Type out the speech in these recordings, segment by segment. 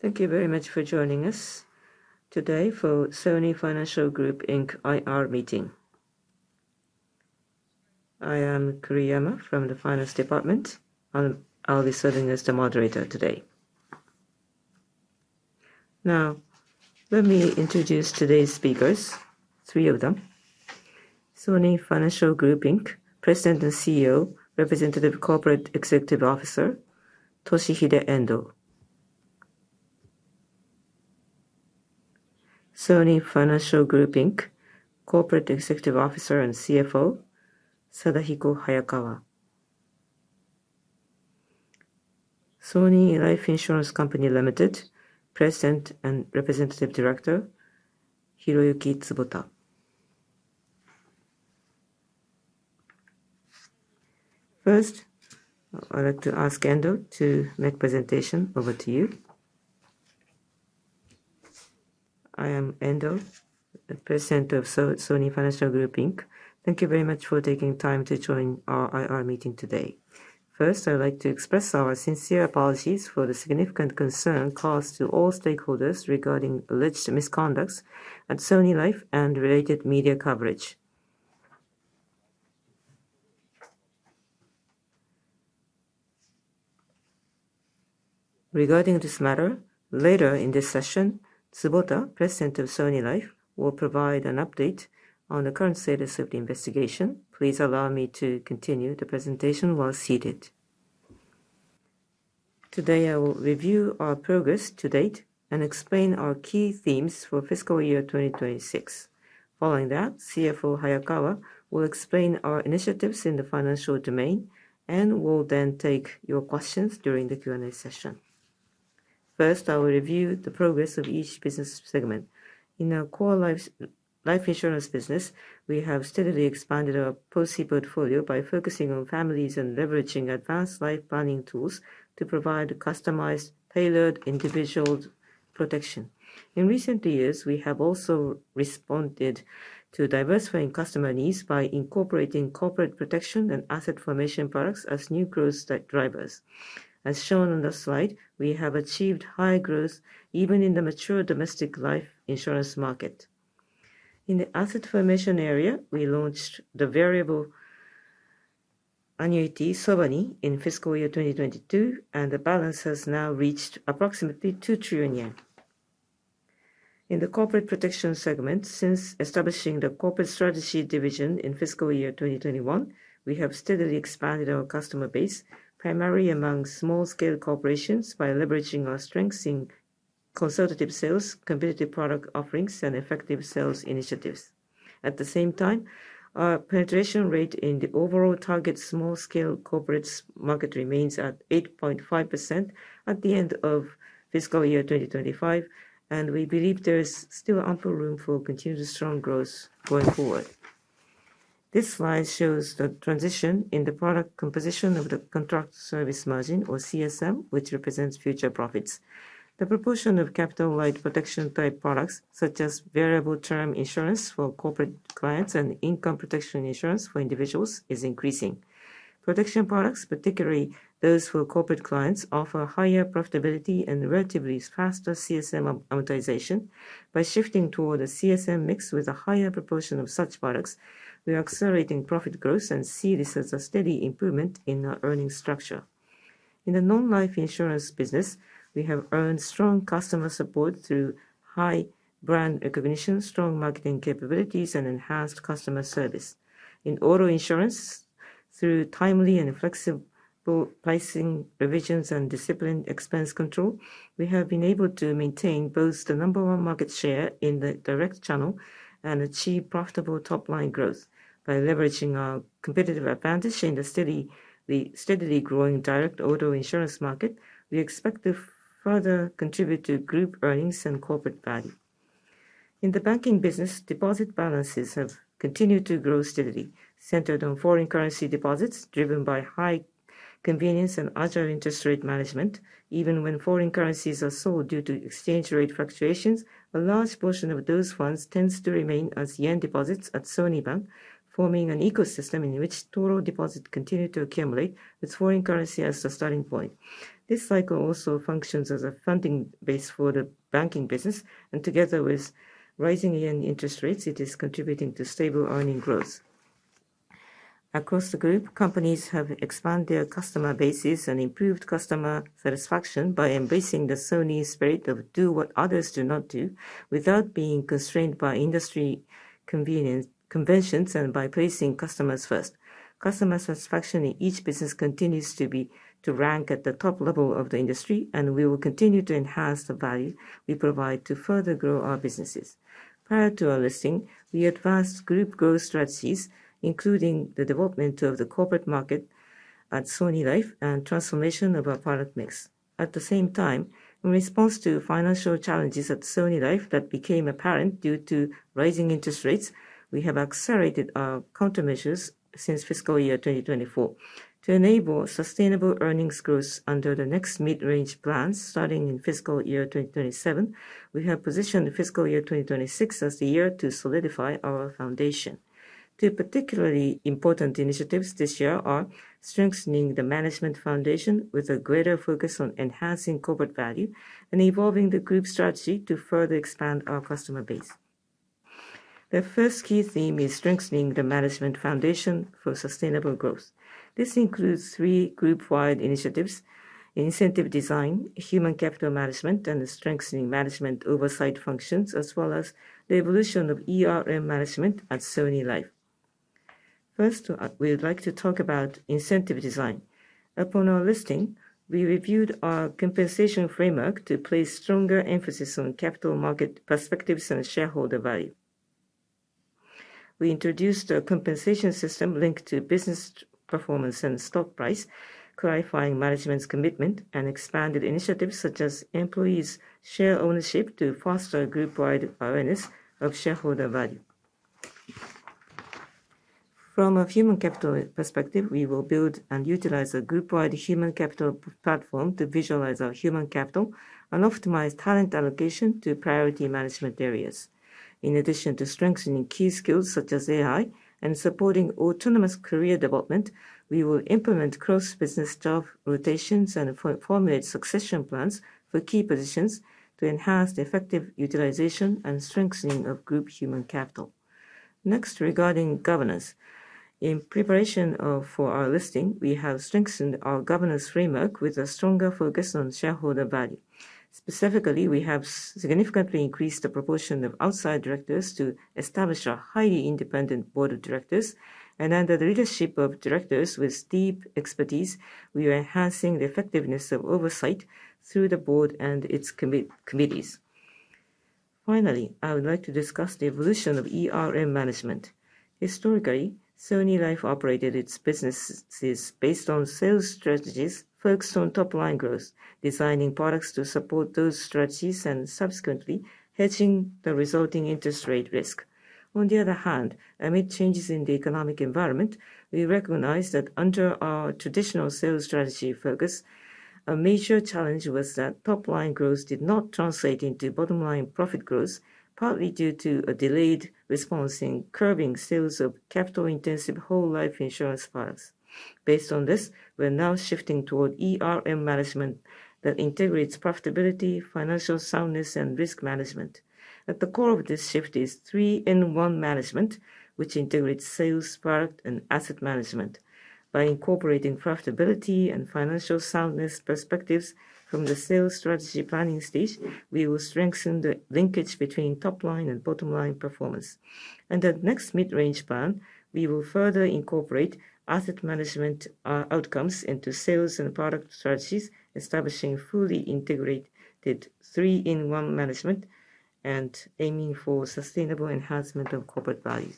Thank you very much for joining us today for Sony Financial Group Inc. IR meeting. I am Kuriyama from the finance department. I'll be serving as the moderator today. Now, let me introduce today's speakers, three of them. Sony Financial Group Inc., President and CEO, Representative Corporate Executive Officer, Toshihide Endo. Sony Financial Group Inc., Corporate Executive Officer and CFO, Sadahiko Hayakawa. Sony Life Insurance Co., Ltd., President and Representative Director, Hiroyuki Tsubota. First, I'd like to ask Endo to make presentation. Over to you. I am Endo, the President of Sony Financial Group Inc. Thank you very much for taking time to join our IR meeting today. First, I would like to express our sincere apologies for the significant concern caused to all stakeholders regarding alleged misconduct at Sony Life and related media coverage. Regarding this matter, later in this session, Tsubota, President of Sony Life, will provide an update on the current status of the investigation. Please allow me to continue the presentation while seated. Today, I will review our progress to date and explain our key themes for fiscal year 2026. Following that, CFO Hayakawa will explain our initiatives in the financial domain and will then take your questions during the Q and A session. First, I will review the progress of each business segment. In our core life insurance business, we have steadily expanded our policy portfolio by focusing on families and leveraging advanced life planning tools to provide customized, tailored individual protection. In recent years, we have also responded to diversifying customer needs by incorporating corporate protection and asset formation products as new growth drivers. As shown on the slide, we have achieved high growth even in the mature domestic life insurance market. In the asset formation area, we launched the variable annuity, SOVANI, in fiscal year 2022, and the balance has now reached approximately 2 trillion yen. In the corporate protection segment, since establishing the corporate strategy division in fiscal year 2021, we have steadily expanded our customer base primarily among small-scale corporations by leveraging our strengths in consultative sales, competitive product offerings, and effective sales initiatives. At the same time, our penetration rate in the overall target small-scale corporates market remains at 8.5% at the end of fiscal year 2025, and we believe there is still ample room for continued strong growth going forward. This slide shows the transition in the product composition of the contract service margin or CSM, which represents future profits. The proportion of capital-light protection-type products, such as variable term insurance for corporate clients and income protection insurance for individuals, is increasing. Protection products, particularly those for corporate clients, offer higher profitability and relatively faster CSM amortization. By shifting toward a CSM mix with a higher proportion of such products, we are accelerating profit growth and see this as a steady improvement in our earnings structure. In the non-life insurance business, we have earned strong customer support through high brand recognition, strong marketing capabilities, and enhanced customer service. In auto insurance, through timely and flexible pricing revisions and disciplined expense control, we have been able to maintain both the number one market share in the direct channel and achieve profitable top-line growth. By leveraging our competitive advantage in the steadily growing direct auto insurance market, we expect to further contribute to group earnings and corporate value. In the banking business, deposit balances have continued to grow steadily, centered on foreign currency deposits driven by high convenience and agile interest rate management. Even when foreign currencies are sold due to exchange rate fluctuations, a large portion of those funds tends to remain as yen deposits at Sony Bank, forming an ecosystem in which total deposits continue to accumulate with foreign currency as the starting point. This cycle also functions as a funding base for the banking business, and together with rising yen interest rates, it is contributing to stable earning growth. Across the group, companies have expanded their customer bases and improved customer satisfaction by embracing the Sony spirit of do what others do not do without being constrained by industry conventions and by placing customers first. Customer satisfaction in each business continues to rank at the top level of the industry, and we will continue to enhance the value we provide to further grow our businesses. Prior to our listing, we advanced group growth strategies, including the development of the corporate market at Sony Life and transformation of our product mix. At the same time, in response to financial challenges at Sony Life that became apparent due to rising interest rates, we have accelerated our countermeasures since fiscal year 2024. To enable sustainable earnings growth under the next Mid-Range Plan starting in fiscal year 2027, we have positioned fiscal year 2026 as the year to solidify our foundation. Two particularly important initiatives this year are strengthening the management foundation with a greater focus on enhancing corporate value and evolving the group strategy to further expand our customer base. The first key theme is strengthening the management foundation for sustainable growth. This includes three group-wide initiatives: incentive design, human capital management, and strengthening management oversight functions, as well as the evolution of ERM management at Sony Life. First, we'd like to talk about incentive design. Upon our listing, we reviewed our compensation framework to place stronger emphasis on capital market perspectives and shareholder value. We introduced a compensation system linked to business performance and stock price, clarifying management's commitment and expanded initiatives such as employees' share ownership to foster group-wide awareness of shareholder value. From a human capital perspective, we will build and utilize a group-wide human capital platform to visualize our human capital and optimize talent allocation to priority management areas. In addition to strengthening key skills such as AI and supporting autonomous career development, we will implement cross-business job rotations and formulate succession plans for key positions to enhance the effective utilization and strengthening of group human capital. Next, regarding governance. In preparation for our listing, we have strengthened our governance framework with a stronger focus on shareholder value. Specifically, we have significantly increased the proportion of outside directors to establish a highly independent board of directors, and under the leadership of directors with deep expertise, we are enhancing the effectiveness of oversight through the board and its committees. Finally, I would like to discuss the evolution of ERM management. Historically, Sony Life operated its businesses based on sales strategies focused on top-line growth, designing products to support those strategies and subsequently hedging the resulting interest rate risk. On the other hand, amid changes in the economic environment, we recognize that under our traditional sales strategy focus, a major challenge was that top-line growth did not translate into bottom-line profit growth, partly due to a delayed response in curbing sales of capital-intensive whole life insurance products. Based on this, we're now shifting toward ERM management that integrates profitability, financial soundness, and risk management. At the core of this shift is three-in-one management, which integrates sales, product, and asset management. By incorporating profitability and financial soundness perspectives from the sales strategy planning stage, we will strengthen the linkage between top-line and bottom-line performance. In the next Mid-Range Plan, we will further incorporate asset management outcomes into sales and product strategies, establishing fully integrated three-in-one management and aiming for sustainable enhancement of corporate value.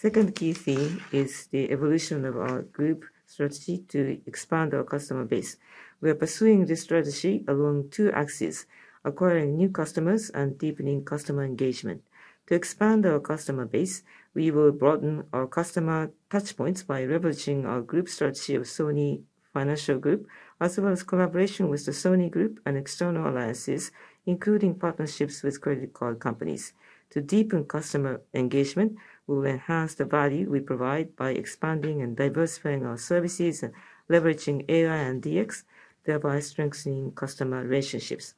Second key theme is the evolution of our group strategy to expand our customer base. We are pursuing this strategy along two axes, acquiring new customers and deepening customer engagement. To expand our customer base, we will broaden our customer touchpoints by leveraging our group strategy of Sony Financial Group, as well as collaboration with the Sony Group and external alliances, including partnerships with credit card companies. To deepen customer engagement, we'll enhance the value we provide by expanding and diversifying our services, leveraging AI and DX, thereby strengthening customer relationships.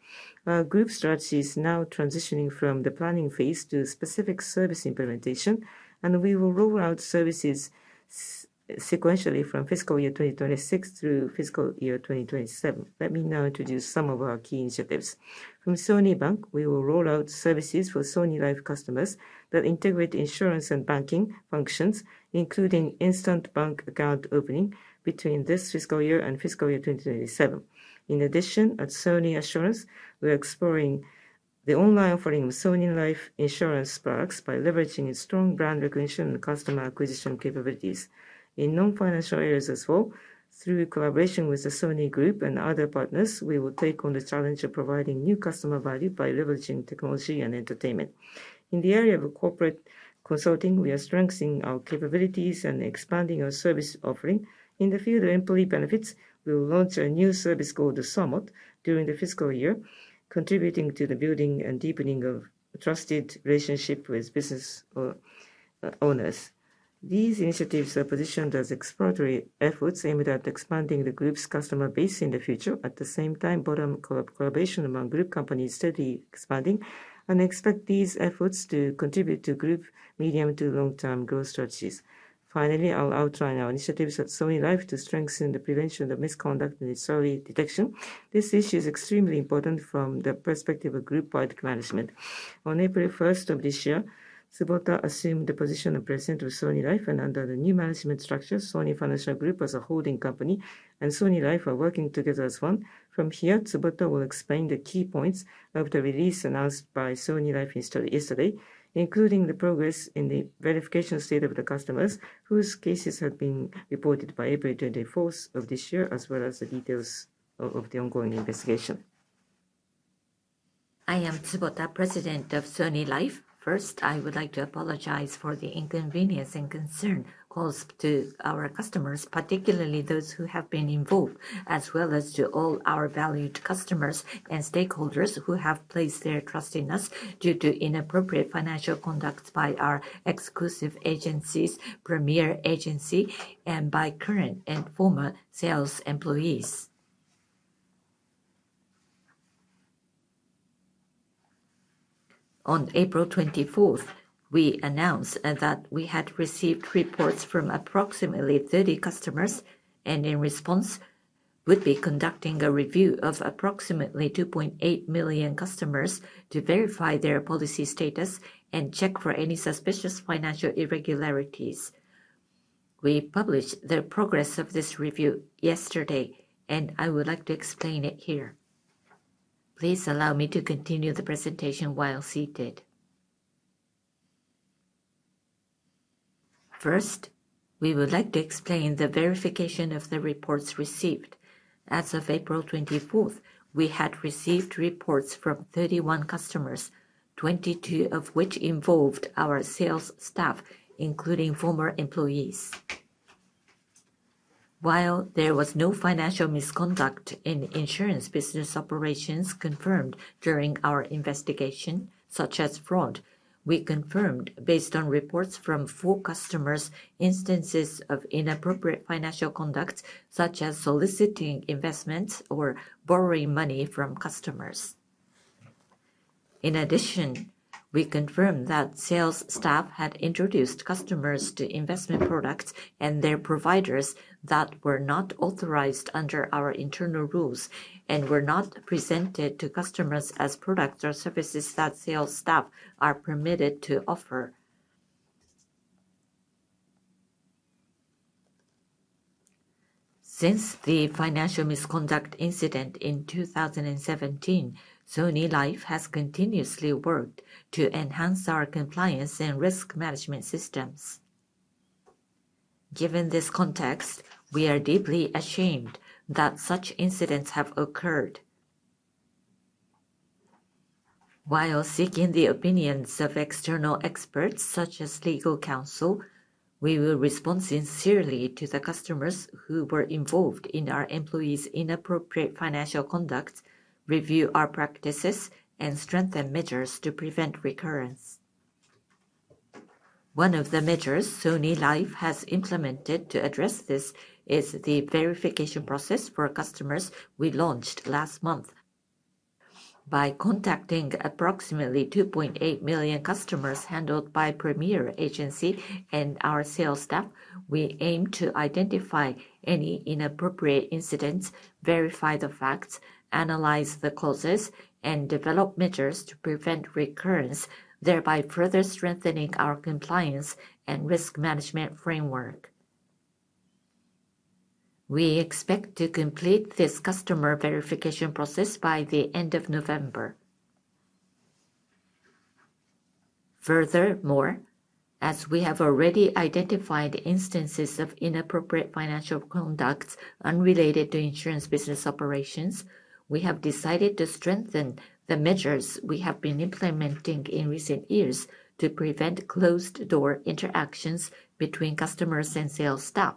Our group strategy is now transitioning from the planning phase to specific service implementation, and we will roll out services sequentially from fiscal year 2026 through fiscal year 2027. Let me now introduce some of our key initiatives. From Sony Bank, we will roll out services for Sony Life customers that integrate insurance and banking functions, including instant bank account opening between this fiscal year and fiscal year 2027. At Sony Assurance, we are exploring the online offering of Sony Life Insurance products by leveraging its strong brand recognition and customer acquisition capabilities. In non-financial areas as well, through collaboration with the Sony Group and other partners, we will take on the challenge of providing new customer value by leveraging technology and entertainment. In the area of corporate consulting, we are strengthening our capabilities and expanding our service offering. In the field of employee benefits, we will launch a new service called Somot during the fiscal year, contributing to the building and deepening of trusted relationship with business owners. These initiatives are positioned as exploratory efforts aimed at expanding the group's customer base in the future. At the same time, bottom collaboration among group companies is steadily expanding. Expect these efforts to contribute to group medium to long-term growth strategies. Finally, I'll outline our initiatives at Sony Life to strengthen the prevention of misconduct and its early detection. This issue is extremely important from the perspective of group-wide management. On April 1st of this year, Tsubota assumed the position of President of Sony Life and under the new management structure, Sony Financial Group as a holding company and Sony Life are working together as one. From here, Tsubota will explain the key points of the release announced by Sony Life yesterday, including the progress in the verification state of the customers whose cases have been reported by April 24th of this year, as well as the details of the ongoing investigation. I am Tsubota, President of Sony Life. First, I would like to apologize for the inconvenience and concern caused to our customers, particularly those who have been involved, as well as to all our valued customers and stakeholders who have placed their trust in us due to inappropriate financial conduct by our exclusive agencies, Premier Agency, and by current and former sales employees. On April 24th, we announced that we had received reports from approximately 30 customers, and in response, would be conducting a review of approximately 2.8 million customers to verify their policy status and check for any suspicious financial irregularities. We published the progress of this review yesterday. I would like to explain it here. Please allow me to continue the presentation while seated. First, we would like to explain the verification of the reports received. As of April 24th, we had received reports from 31 customers, 22 of which involved our sales staff, including former employees. While there was no financial misconduct in insurance business operations confirmed during our investigation, such as fraud, we confirmed, based on reports from four customers, instances of inappropriate financial conduct, such as soliciting investments or borrowing money from customers. In addition, we confirmed that sales staff had introduced customers to investment products and their providers that were not authorized under our internal rules and were not presented to customers as products or services that sales staff are permitted to offer. Since the financial misconduct incident in 2017, Sony Life has continuously worked to enhance our compliance and risk management systems. Given this context, we are deeply ashamed that such incidents have occurred. While seeking the opinions of external experts such as legal counsel, we will respond sincerely to the customers who were involved in our employees' inappropriate financial conduct, review our practices, and strengthen measures to prevent recurrence. One of the measures Sony Life has implemented to address this is the verification process for customers we launched last month. By contacting approximately 2.8 million customers handled by Premier Agency and our sales staff, we aim to identify any inappropriate incidents, verify the facts, analyze the causes, and develop measures to prevent recurrence, thereby further strengthening our compliance and risk management framework. We expect to complete this customer verification process by the end of November. As we have already identified instances of inappropriate financial conduct unrelated to insurance business operations, we have decided to strengthen the measures we have been implementing in recent years to prevent closed-door interactions between customers and sales staff.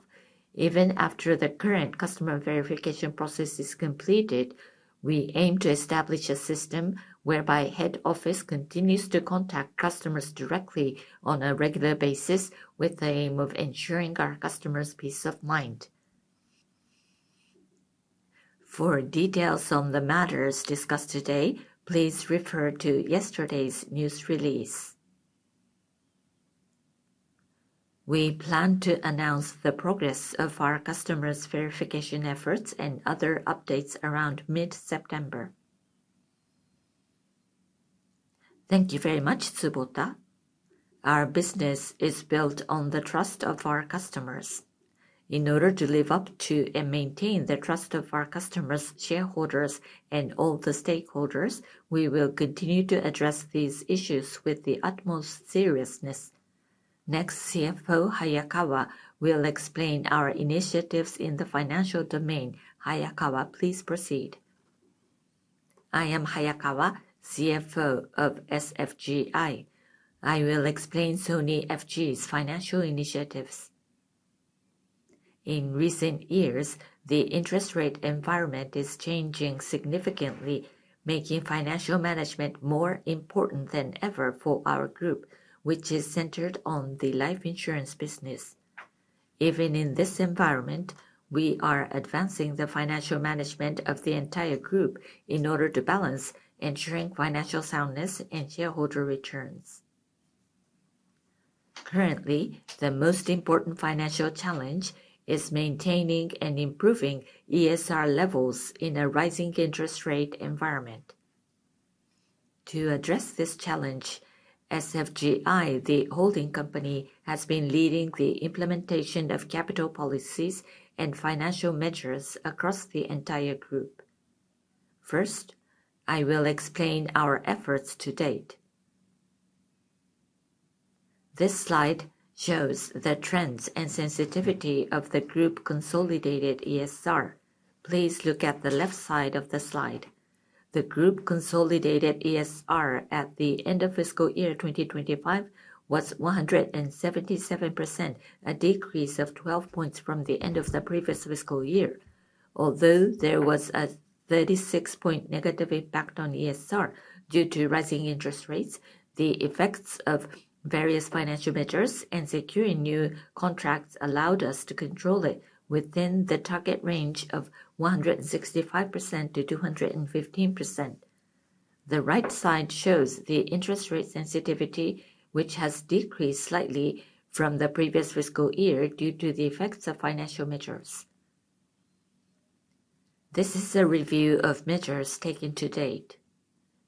Even after the current customer verification process is completed, we aim to establish a system whereby head office continues to contact customers directly on a regular basis, with the aim of ensuring our customers' peace of mind. For details on the matters discussed today, please refer to yesterday's news release. We plan to announce the progress of our customers' verification efforts and other updates around mid-September. Thank you very much, Tsubota. Our business is built on the trust of our customers. In order to live up to and maintain the trust of our customers, shareholders, and all the stakeholders, we will continue to address these issues with the utmost seriousness. Next, CFO Hayakawa will explain our initiatives in the financial domain. Hayakawa, please proceed. I am Hayakawa, CFO of SFGI. I will explain Sony FG's financial initiatives. In recent years, the interest rate environment is changing significantly, making financial management more important than ever for our group, which is centered on the life insurance business. Even in this environment, we are advancing the financial management of the entire group in order to balance ensuring financial soundness and shareholder returns. Currently, the most important financial challenge is maintaining and improving ESR levels in a rising interest rate environment. To address this challenge, SFGI, the holding company, has been leading the implementation of capital policies and financial measures across the entire group. First, I will explain our efforts to date. This slide shows the trends and sensitivity of the group consolidated ESR. Please look at the left side of the slide. The group consolidated ESR at the end of fiscal year 2025 was 177%, a decrease of 12 points from the end of the previous fiscal year. Although there was a 36-point negative impact on ESR due to rising interest rates, the effects of various financial measures and securing new contracts allowed us to control it within the target range of 165%-215%. The right side shows the interest rate sensitivity, which has decreased slightly from the previous fiscal year due to the effects of financial measures. This is a review of measures taken to date.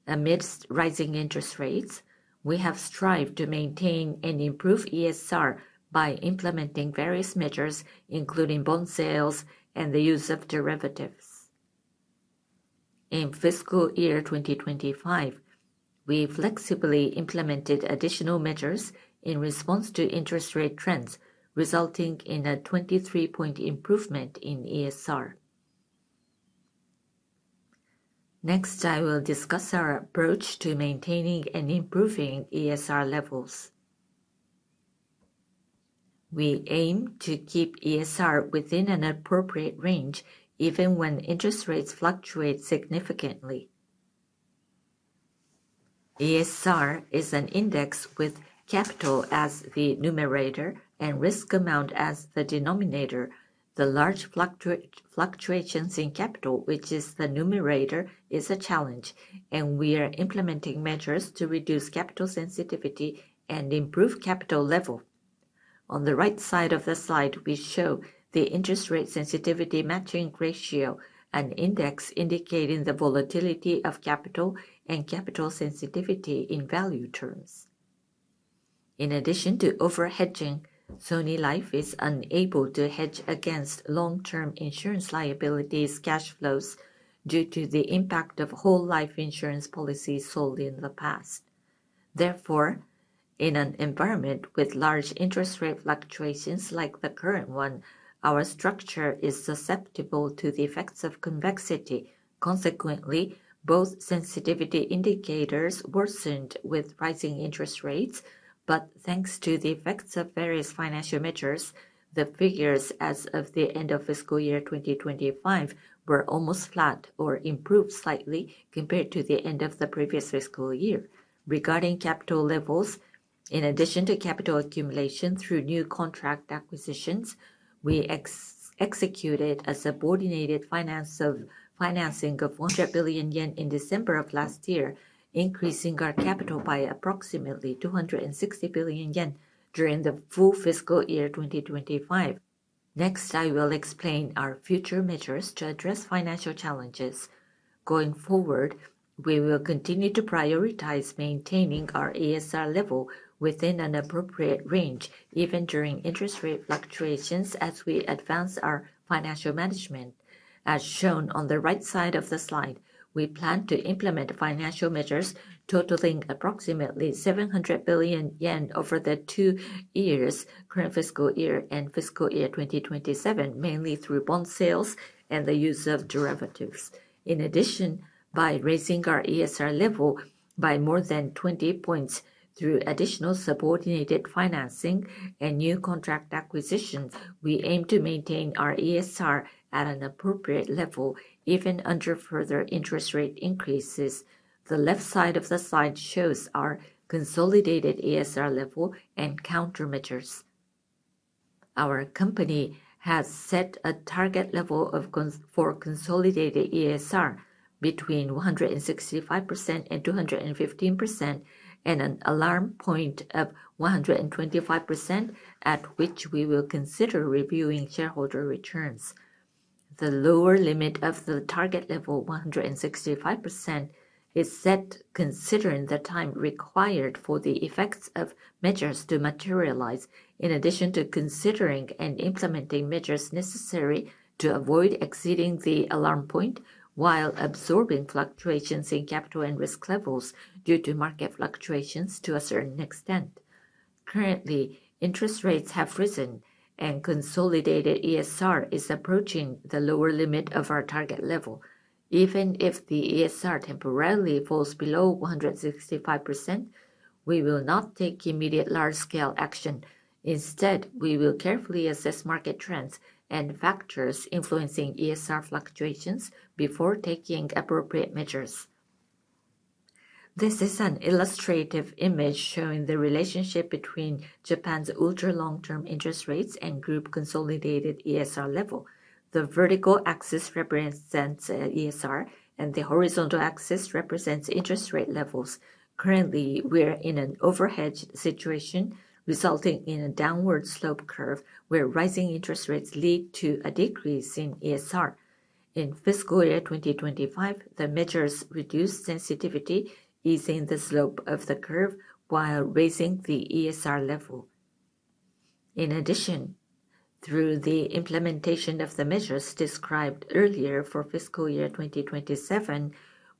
Amidst rising interest rates, we have strived to maintain and improve ESR by implementing various measures, including bond sales and the use of derivatives. In fiscal year 2025, we flexibly implemented additional measures in response to interest rate trends, resulting in a 23-point improvement in ESR. I will discuss our approach to maintaining and improving ESR levels. We aim to keep ESR within an appropriate range, even when interest rates fluctuate significantly. ESR is an index with capital as the numerator and risk amount as the denominator. The large fluctuations in capital, which is the numerator, is a challenge, and we are implementing measures to reduce capital sensitivity and improve capital level. On the right side of the slide, we show the interest rate sensitivity matching ratio, an index indicating the volatility of capital and capital sensitivity in value terms. In addition to over-hedging, Sony Life is unable to hedge against long-term insurance liabilities cash flows due to the impact of whole life insurance policies sold in the past. Therefore, in an environment with large interest rate fluctuations like the current one, our structure is susceptible to the effects of convexity. Consequently, both sensitivity indicators worsened with rising interest rates, but thanks to the effects of various financial measures, the figures as of the end of fiscal year 2025 were almost flat or improved slightly compared to the end of the previous fiscal year. Regarding capital levels, in addition to capital accumulation through new contract acquisitions, we executed a subordinated financing of 100 billion yen in December of last year, increasing our capital by approximately 260 billion yen during the full fiscal year 2025. Next, I will explain our future measures to address financial challenges. Going forward, we will continue to prioritize maintaining our ESR level within an appropriate range, even during interest rate fluctuations as we advance our financial management. As shown on the right side of the slide, we plan to implement financial measures totaling approximately 700 billion yen over the two years, current fiscal year and fiscal year 2027, mainly through bond sales and the use of derivatives. By raising our ESR level by more than 20 points through additional subordinated financing and new contract acquisitions, we aim to maintain our ESR at an appropriate level, even under further interest rate increases. The left side of the slide shows our consolidated ESR level and countermeasures. Our company has set a target level for consolidated ESR between 165% and 215%, and an alarm point of 125%, at which we will consider reviewing shareholder returns. The lower limit of the target level, 165%, is set considering the time required for the effects of measures to materialize, in addition to considering and implementing measures necessary to avoid exceeding the alarm point while absorbing fluctuations in capital and risk levels due to market fluctuations to a certain extent. Currently, interest rates have risen, and consolidated ESR is approaching the lower limit of our target level. Even if the ESR temporarily falls below 165%, we will not take immediate large-scale action. Instead, we will carefully assess market trends and factors influencing ESR fluctuations before taking appropriate measures. This is an illustrative image showing the relationship between Japan's ultra-long-term interest rates and group consolidated ESR level. The vertical axis represents ESR, and the horizontal axis represents interest rate levels. Currently, we're in an over-hedged situation, resulting in a downward slope curve where rising interest rates lead to a decrease in ESR. In fiscal year 2025, the measures reduced sensitivity, easing the slope of the curve while raising the ESR level. In addition, through the implementation of the measures described earlier for fiscal year 2027,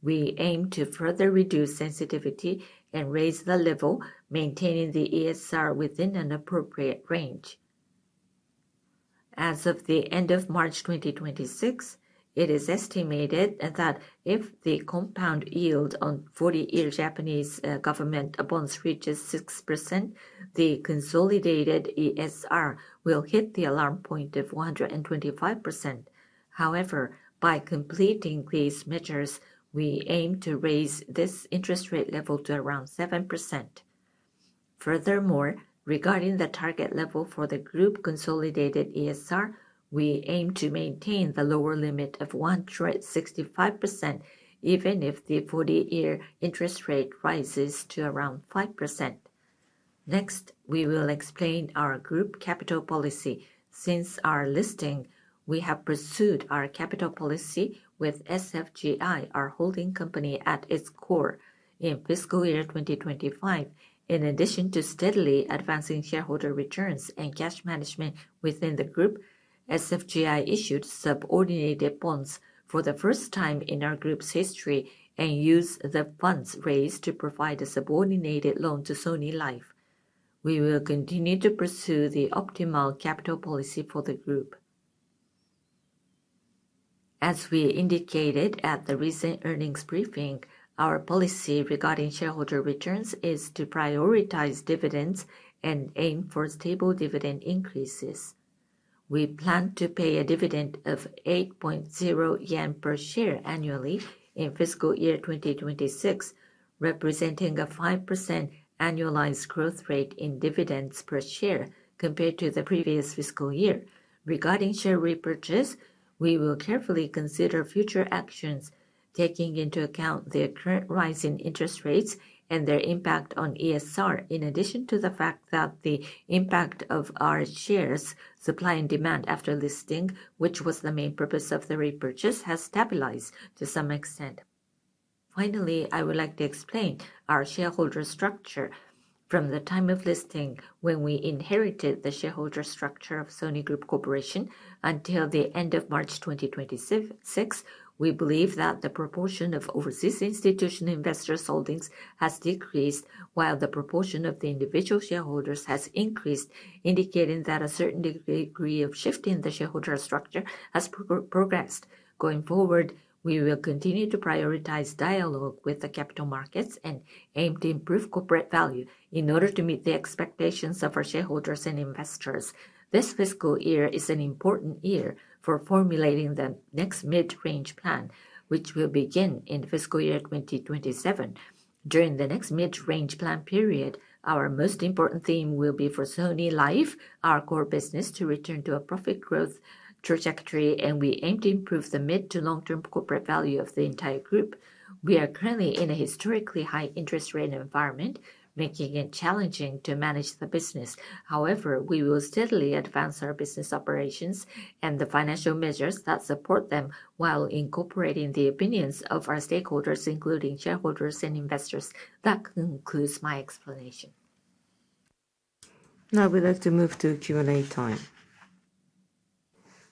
we aim to further reduce sensitivity and raise the level, maintaining the ESR within an appropriate range. As of the end of March 2026, it is estimated that if the compound yield on 40-year Japanese government bonds reaches 6%, the consolidated ESR will hit the alarm point of 125%. However, by completing these measures, we aim to raise this interest rate level to around 7%. Furthermore, regarding the target level for the group consolidated ESR, we aim to maintain the lower limit of 165%, even if the 40-year interest rate rises to around 5%. Next, we will explain our group capital policy. Since our listing, we have pursued our capital policy with SFGI, our holding company at its core. In fiscal year 2025, in addition to steadily advancing shareholder returns and cash management within the group, SFGI issued subordinated bonds for the first time in our group's history and used the funds raised to provide a subordinated loan to Sony Life. We will continue to pursue the optimal capital policy for the group. As we indicated at the recent earnings briefing, our policy regarding shareholder returns is to prioritize dividends and aim for stable dividend increases. We plan to pay a dividend of 8.0 yen per share annually in fiscal year 2026, representing a 5% annualized growth rate in dividends per share compared to the previous fiscal year. Regarding share repurchase, we will carefully consider future actions, taking into account the current rise in interest rates and their impact on ESR. In addition to the fact that the impact of our shares supply and demand after listing, which was the main purpose of the repurchase, has stabilized to some extent. Finally, I would like to explain our shareholder structure. From the time of listing, when we inherited the shareholder structure of Sony Group Corporation, until the end of March 2026, we believe that the proportion of overseas institutional investors' holdings has decreased, while the proportion of the individual shareholders has increased, indicating that a certain degree of shift in the shareholder structure has progressed. Going forward, we will continue to prioritize dialogue with the capital markets and aim to improve corporate value in order to meet the expectations of our shareholders and investors. This fiscal year is an important year for formulating the next Mid-range Plan, which will begin in fiscal year 2027. During the next Mid-range Plan period, our most important theme will be for Sony Life, our core business, to return to a profit growth trajectory, and we aim to improve the mid to long-term corporate value of the entire group. We are currently in a historically high interest rate environment, making it challenging to manage the business. We will steadily advance our business operations and the financial measures that support them while incorporating the opinions of our stakeholders, including shareholders and investors. That concludes my explanation. We'd like to move to Q and A time.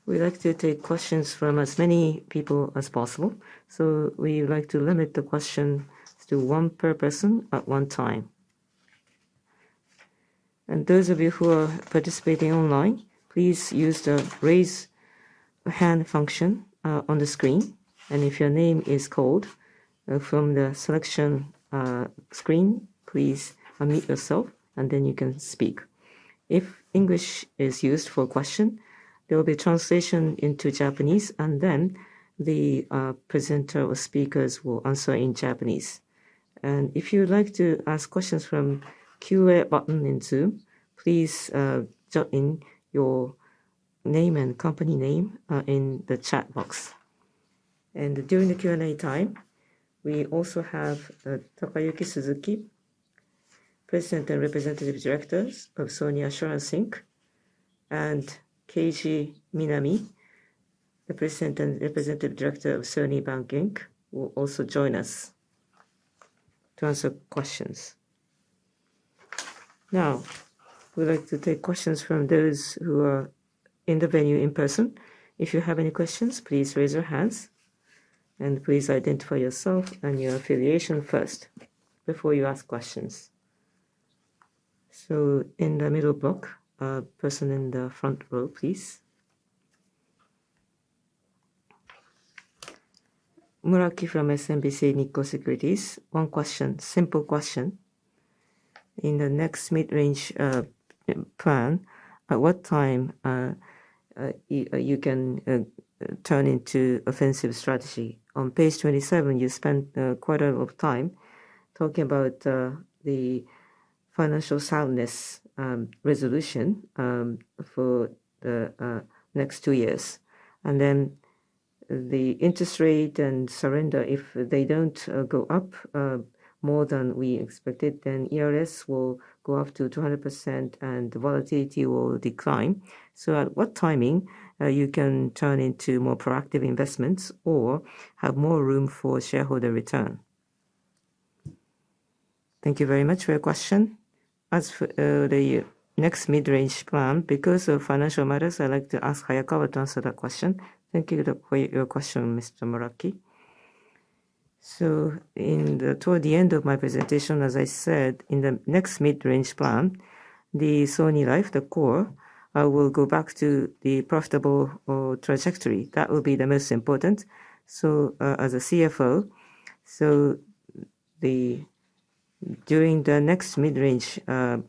We'd like to take questions from as many people as possible, so we would like to limit the questions to one per person at one time. Those of you who are participating online, please use the raise hand function on the screen. If your name is called from the selection screen, please unmute yourself and then you can speak. If English is used for a question, there will be a translation into Japanese, and then the presenter or speakers will answer in Japanese. If you'd like to ask questions from the Q and A button in Zoom, please jot in your name and company name in the chat box. During the Q and A time, we also have Takayuki Suzuki, President and Representative Director of Sony Assurance Inc., and Keiji Minami, the President and Representative Director of Sony Bank Inc., will also join us to answer questions. Now, we'd like to take questions from those who are in the venue in person. If you have any questions, please raise your hands and please identify yourself and your affiliation first before you ask questions. In the middle block, person in the front row, please. Muraki from SMBC Nikko Securities. One question, simple question. In the next Mid-Range Plan, at what time you can turn into offensive strategy? On page 27, you spent quite a lot of time talking about the financial soundness resolution for the next two years, the interest rate and surrender. If they don't go up more than we expected, ESR will go up to 200% and the volatility will decline. At what timing you can turn into more proactive investments or have more room for shareholder return? Thank you very much for your question. As for the next Mid-Range Plan, because of financial matters, I'd like to ask Hayakawa to answer that question. Thank you for your question, Mr. Muraki. Toward the end of my presentation, as I said, in the next Mid-Range Plan, the Sony Life, the core, will go back to the profitable trajectory. That will be the most important. As a CFO, during the next Mid-Range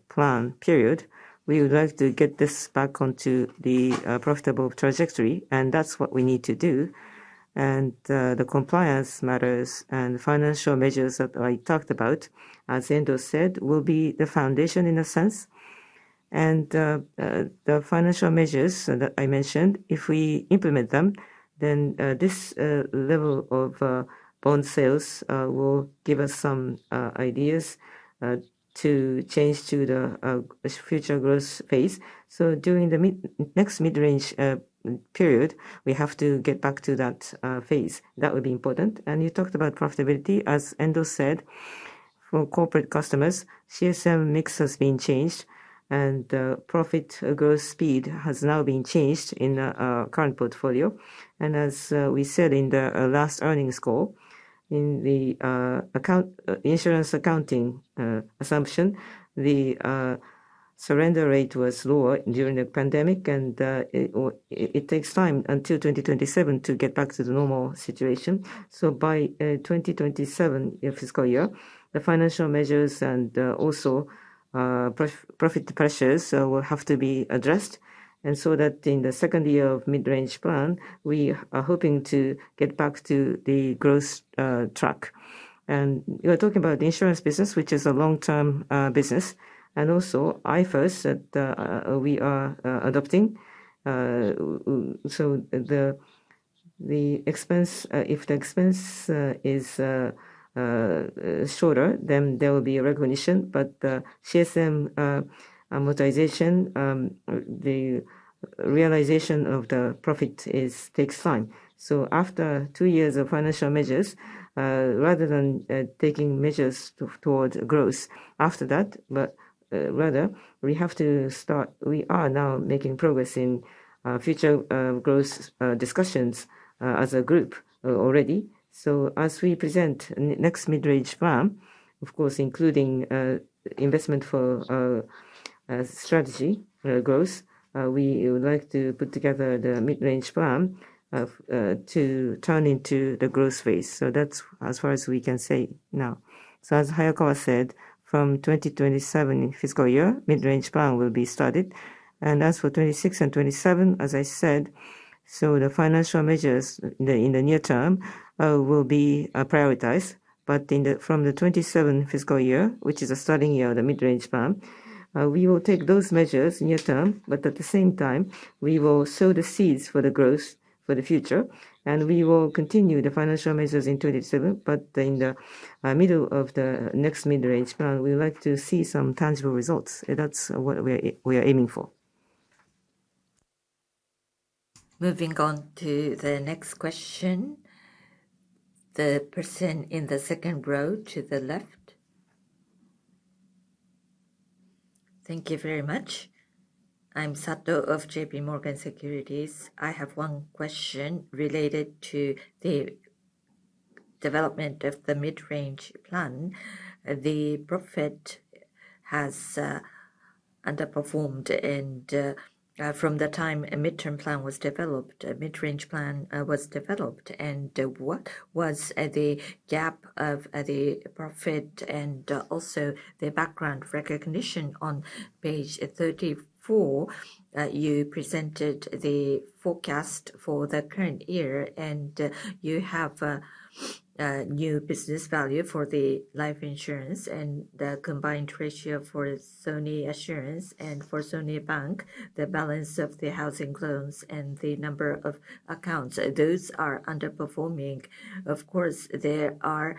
Plan period, we would like to get this back onto the profitable trajectory, and that's what we need to do. The compliance matters and financial measures that I talked about, as Endo said, will be the foundation in a sense. The financial measures that I mentioned, if we implement them, this level of bond sales will give us some ideas to change to the future growth phase. During the next mid-range period, we have to get back to that phase. That would be important. You talked about profitability. As Endo said, for corporate customers, CSM mix has been changed and profit growth speed has now been changed in our current portfolio. As we said in the last earnings call, in the insurance accounting assumption, the surrender rate was lower during the pandemic, and it takes time, until 2027, to get back to the normal situation. By FY 2027, the financial measures and also profit pressures will have to be addressed. That in the second year of Mid-Range Plan, we are hoping to get back to the growth track. You are talking about the insurance business, which is a long-term business. Also, IFRS, that we are adopting. If the expense is shorter, then there will be a recognition. CSM amortization, the realization of the profit takes time. After two years of financial measures, rather than taking measures towards growth after that, but rather we have to start, we are now making progress in future growth discussions as a group already. As we present next Mid-Range Plan, of course, including investment for our strategy growth we would like to put together the Mid-Range Plan to turn into the growth phase. That's as far as we can say now. As Hayakawa said, from 2027 fiscal year, Mid-Range Plan will be started. As for 2026 and 2027, as I said, so the financial measures in the near term will be prioritized. From the 2027 fiscal year, which is the starting year of the Mid-Range Plan, we will take those measures near term, but at the same time, we will sow the seeds for the growth for the future. We will continue the financial measures in 2027. In the middle of the next Mid-Range Plan, we would like to see some tangible results. That's what we are aiming for. Moving on to the next question, the person in the second row to the left. Thank you very much. I am Sato of JPMorgan Securities. I have one question related to the development of the Mid-Range Plan. The profit has underperformed from the time a Mid-Range Plan was developed. What was the gap of the profit and also the background recognition on page 34? You presented the forecast for the current year. You have a new business value for the life insurance and the combined ratio for Sony Assurance and for Sony Bank, the balance of the housing loans and the number of accounts. Those are underperforming. Of course, there are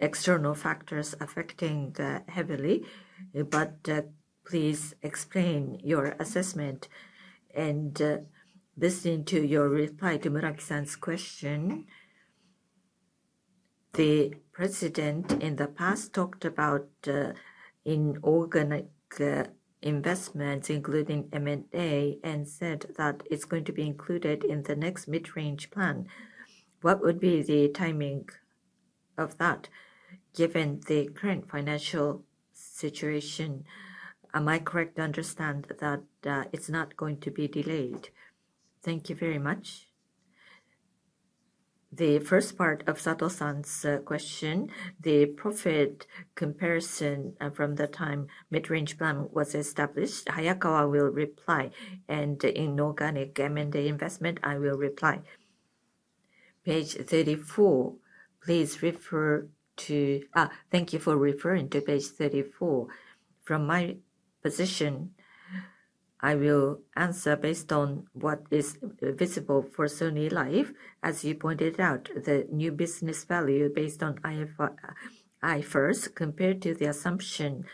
external factors affecting that heavily, but please explain your assessment. Listening to your reply to Muraki-san's question, the president in the past talked about inorganic investments, including M&A, and said that it's going to be included in the next Mid-Range Plan. What would be the timing of that, given the current financial situation? Am I correct to understand that it's not going to be delayed? Thank you very much. The first part of Sato-san's question, the profit comparison from the time Mid-Range Plan was established, Hayakawa will reply. Inorganic M&A investment, I will reply. Page 34. Thank you for referring to page 34. From my position, I will answer based on what is visible for Sony Life. As you pointed out, the new business value based on IFRS compared to the assumption,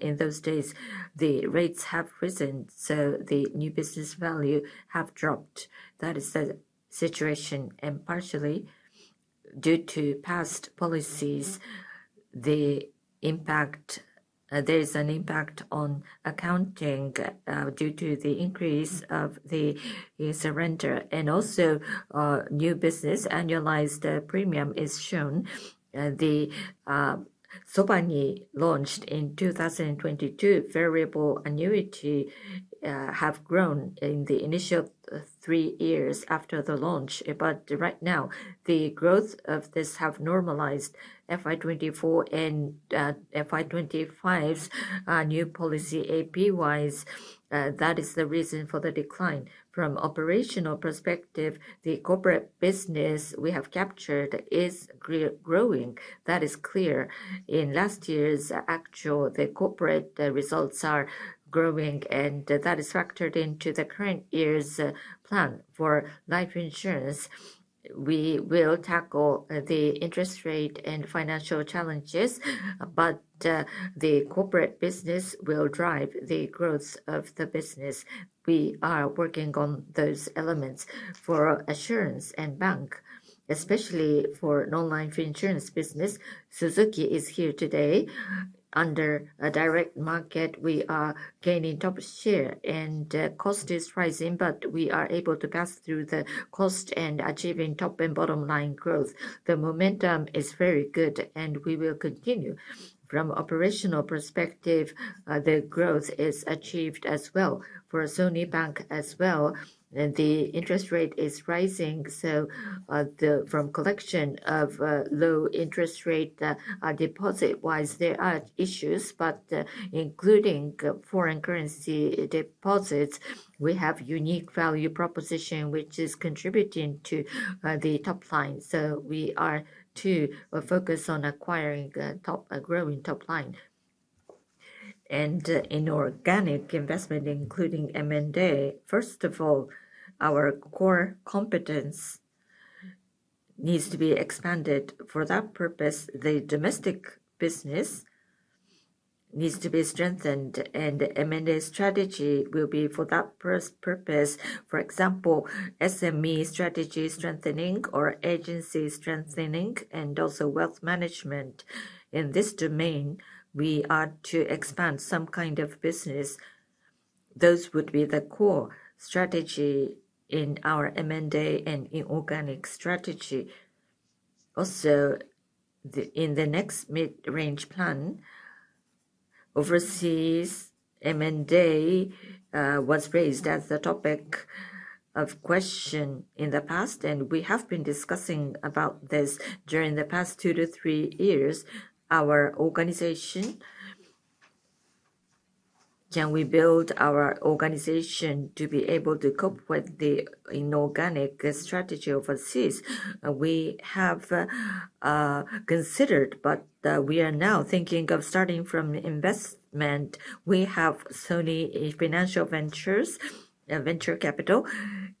in those days, the rates have risen, the new business value have dropped. That is the situation. Partially due to past policies, there is an impact on accounting due to the increase of the surrender. Also new business, annualized premium is shown. The SOVANI launched in 2022. Variable annuity have grown in the initial three years after the launch. Right now, the growth of this have normalized FY 2024 and FY 2025's new policy AP wise. That is the reason for the decline. From operational perspective, the corporate business we have captured is growing. That is clear. In last year's actual, the corporate results are growing, and that is factored into the current year's plan for Life Insurance. We will tackle the interest rate and financial challenges, but the corporate business will drive the growth of the business. We are working on those elements for Sony Assurance and Sony Bank. Especially for non-life insurance business, Suzuki is here today. Under a direct market, we are gaining top share and cost is rising, but we are able to pass through the cost and achieving top and bottom line growth. The momentum is very good, and we will continue. From operational perspective, the growth is achieved as well. For Sony Bank as well, the interest rate is rising, so from collection of low interest rate, deposit-wise, there are issues. Including foreign currency deposits, we have unique value proposition, which is contributing to the top line. We are too focused on acquiring a growing top line. Inorganic investment, including M&A. First of all, our core competence needs to be expanded. For that purpose, the domestic business needs to be strengthened, and M&A strategy will be for that purpose. For example, SME strategy strengthening or agency strengthening, and also wealth management. In this domain, we are to expand some kind of business. Those would be the core strategy in our M&A and inorganic strategy. In the next Mid-Range Plan, overseas M&A was raised as the topic of question in the past, and we have been discussing about this during the past two to three years. Can we build our organization to be able to cope with the inorganic strategy overseas? We have considered, but we are now thinking of starting from investment. We have Sony Financial Ventures, venture capital.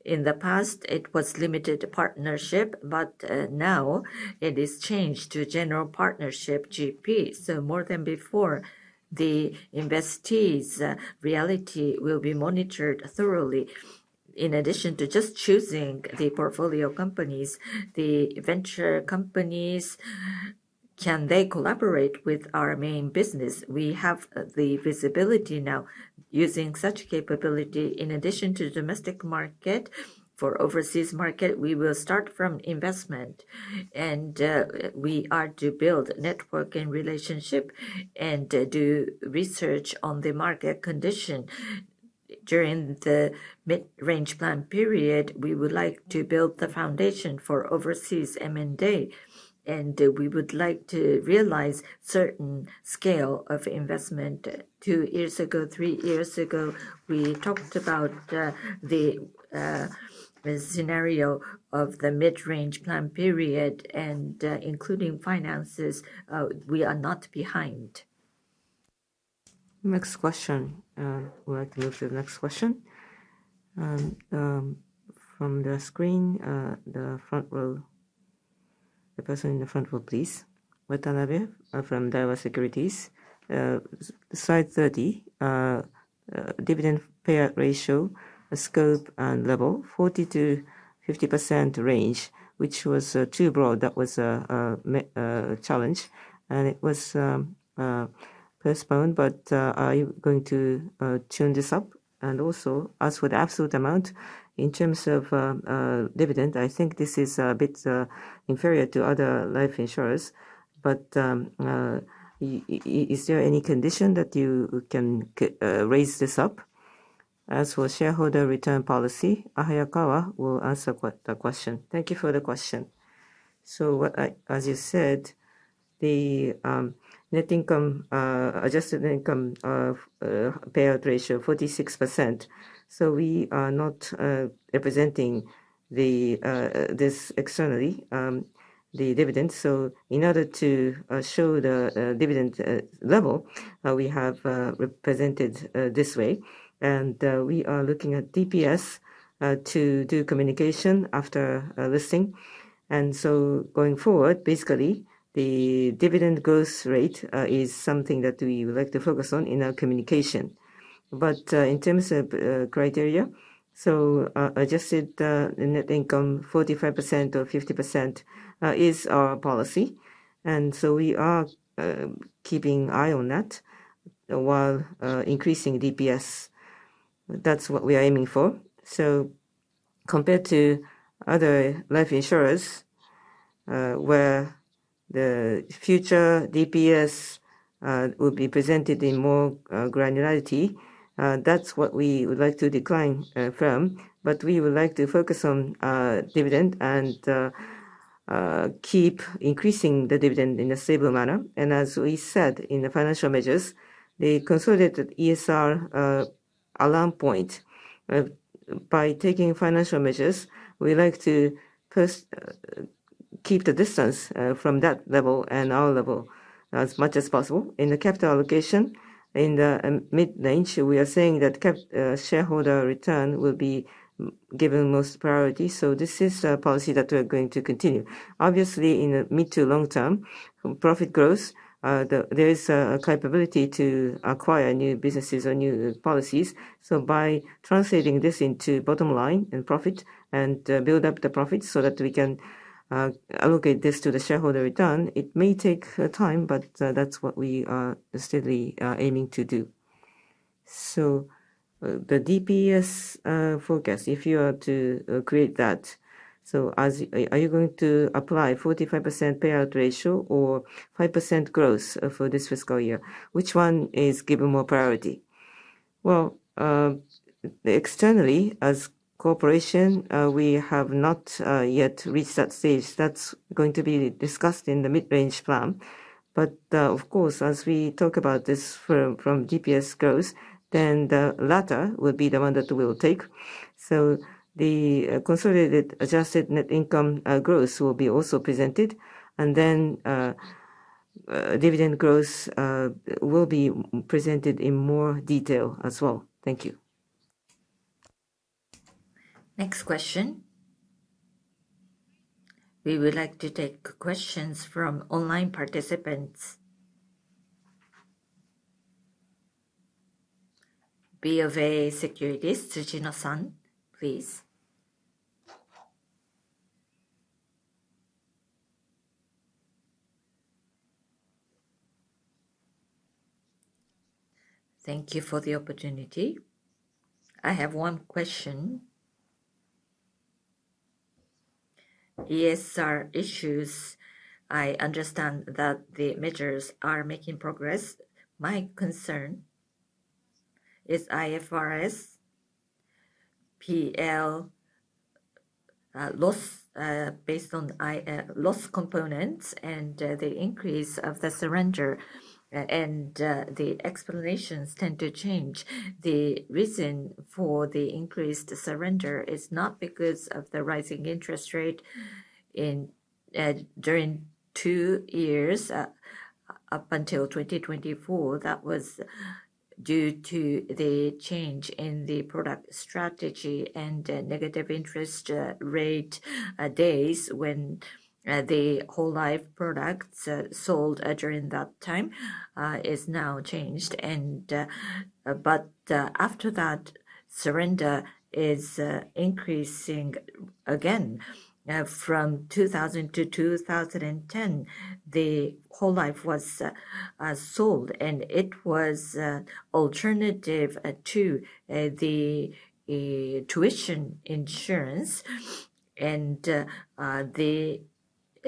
In the past, it was limited partnership, but now it is changed to general partnership, GP. More than before, the investees' reality will be monitored thoroughly. In addition to just choosing the portfolio companies, the venture companies, can they collaborate with our main business? We have the visibility now. Using such capability, in addition to domestic market, for overseas market, we will start from investment. We are to build network and relationship and do research on the market condition. During the Mid-Range Plan period, we would like to build the foundation for overseas M&A, and we would like to realize certain scale of investment. Two years ago, three years ago, we talked about the scenario of the Mid-Range Plan period, and including finances, we are not behind. Next question. We would like to go to the next question. From the screen, the person in the front row, please. Watanabe from Daiwa Securities. Slide 30, dividend payout ratio, scope and level, 40%-50% range, which was too broad. That was a challenge, and it was postponed. Are you going to tune this up? Also, as for the absolute amount, in terms of dividend, I think this is a bit inferior to other life insurers. Is there any condition that you can raise this up? As for shareholder return policy, Hayakawa will answer the question. Thank you for the question. As you said, the net income, adjusted net income payout ratio 46%. We are not representing this externally, the dividends. In order to show the dividend level, we have represented this way, and we are looking at DPS to do communication after listing. Going forward, basically, the dividend growth rate is something that we would like to focus on in our communication. In terms of criteria, so adjusted net income, 45% or 50% is our policy. We are keeping eye on that while increasing DPS. That's what we are aiming for. Compared to other life insurers, where the future DPS will be presented in more granularity, that's what we would like to decline from. We would like to focus on dividend and keep increasing the dividend in a stable manner. As we said in the financial measures, the consolidated ESR alarm point, by taking financial measures, we like to first keep the distance from that level and our level as much as possible. In the capital allocation in the Mid-Range, we are saying that shareholder return will be given most priority. This is a policy that we're going to continue. Obviously, in the mid to long term profit growth, there is a capability to acquire new businesses or new policies. By translating this into bottom line and profit, and build up the profit so that we can allocate this to the shareholder return, it may take time, but that's what we are steadily aiming to do. The DPS forecast, if you are to create that, so are you going to apply 45% payout ratio or 5% growth for this fiscal year? Which one is given more priority? Well, externally as corporation, we have not yet reached that stage. That's going to be discussed in the Mid-Range Plan. Of course, as we talk about this from DPS growth, then the latter will be the one that we'll take. The consolidated adjusted net income growth will be also presented, and then dividend growth will be presented in more detail as well. Thank you. Next question. We would like to take questions from online participants. BofA Securities, Tsujino San, please. Thank you for the opportunity. I have one question. ESR issues, I understand that the measures are making progress. My concern is IFRS PL loss based on loss components and the increase of the surrender, and the explanations tend to change. The reason for the increased surrender is not because of the rising interest rate during two years up until 2024. That was due to the change in the product strategy and negative interest rate days when the whole life products sold during that time is now changed. After that, surrender is increasing again. From 2000 to 2010, the whole life was sold, and it was alternative to the tuition insurance.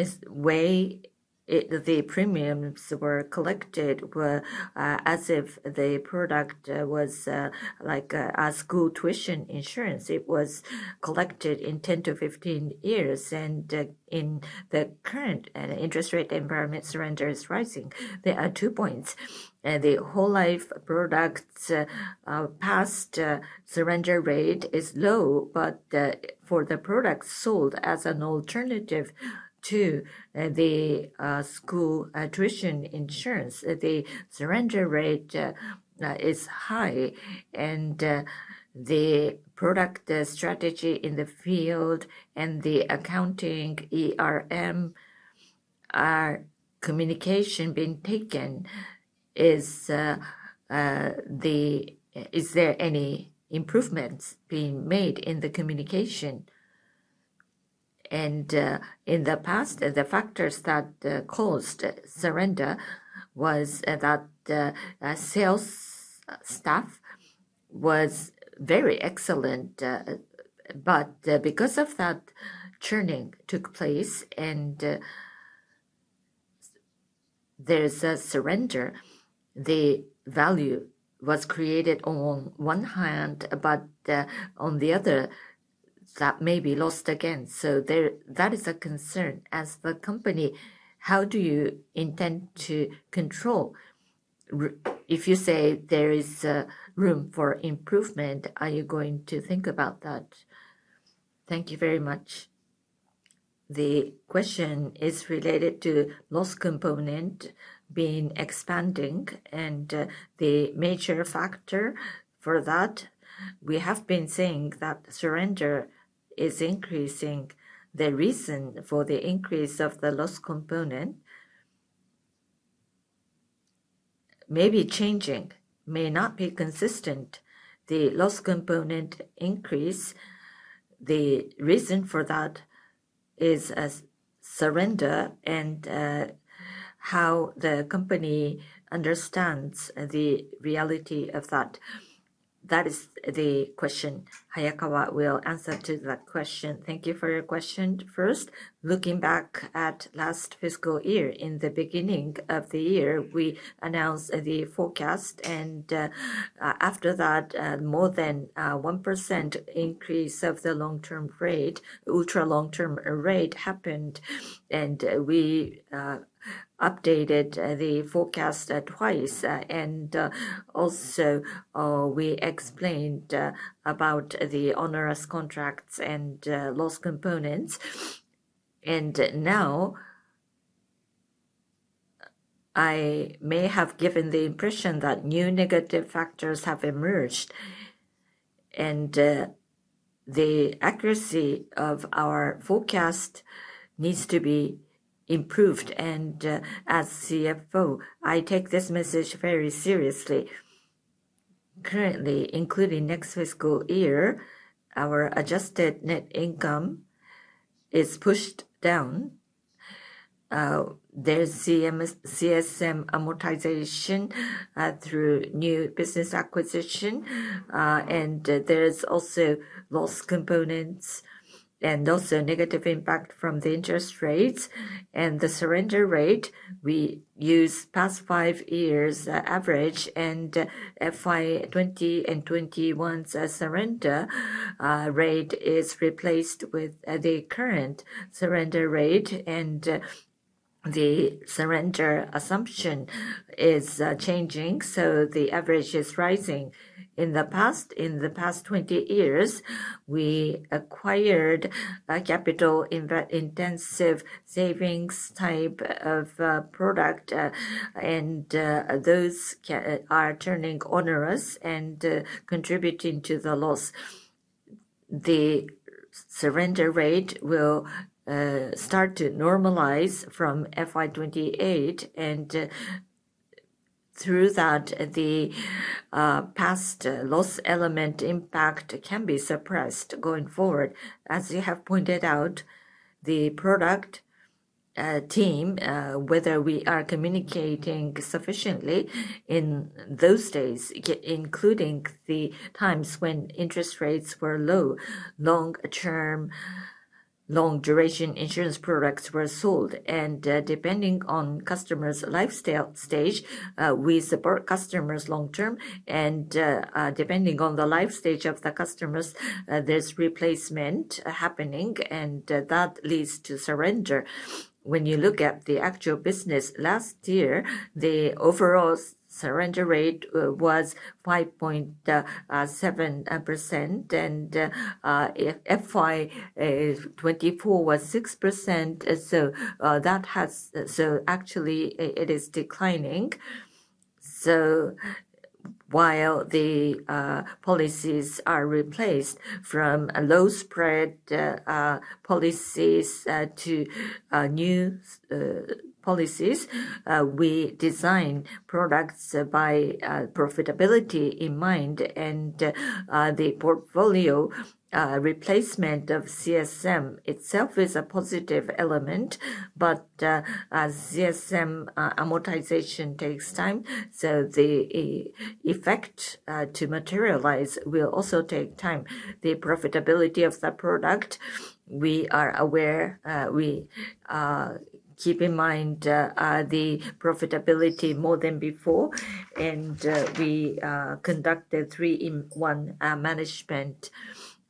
The way the premiums were collected were as if the product was like a school tuition insurance. It was collected in 10 to 15 years. In the current interest rate environment, surrender is rising. There are two points. The whole life products past surrender rate is low, but for the products sold as an alternative to the school tuition insurance, the surrender rate is high. The product strategy in the field and the accounting ERM communication being taken, is there any improvements being made in the communication? In the past, the factors that caused surrender was that sales staff was very excellent. Because of that churning took place, and there's a surrender. The value was created on one hand, but on the other, that may be lost again. That is a concern. As the company, how do you intend to control? If you say there is room for improvement, are you going to think about that? Thank you very much. The question is related to loss component being expanding and the major factor for that. We have been saying that surrender is increasing. The reason for the increase of the loss component may be changing, may not be consistent. The loss component increase, the reason for that is a surrender, and how the company understands the reality of that. That is the question. Hayakawa will answer to that question. Thank you for your question. First, looking back at last fiscal year, in the beginning of the year, we announced the forecast. After that, more than 1% increase of the long-term rate, ultra long-term rate happened. We updated the forecast twice. Also, we explained about the onerous contracts and loss components. Now I may have given the impression that new negative factors have emerged. The accuracy of our forecast needs to be improved. As CFO, I take this message very seriously. Currently, including next fiscal year, our adjusted net income is pushed down. There's CSM amortization through new business acquisition, and there's also loss components and also negative impact from the interest rates. The surrender rate, we use past five years average, and FY 2020 and 2021's surrender rate is replaced with the current surrender rate, and the surrender assumption is changing, so the average is rising. In the past 20 years, we acquired capital intensive savings type of product, and those are turning onerous and contributing to the loss. The surrender rate will start to normalize from FY 2028, and through that, the past loss element impact can be suppressed going forward. As you have pointed out, the product team, whether we are communicating sufficiently in those days, including the times when interest rates were low, long duration insurance products were sold. Depending on customers' life stage, we support customers long-term. Depending on the life stage of the customers, there's replacement happening, and that leads to surrender. When you look at the actual business, last year, the overall surrender rate was 5.7%, and FY 2024 was 6%, so actually it is declining. While the policies are replaced from low spread policies to new policies, we design products by profitability in mind, and the portfolio replacement of CSM itself is a positive element. CSM amortization takes time, so the effect to materialize will also take time. The profitability of the product, we are aware. We keep in mind the profitability more than before, and we conduct a three-in-one management.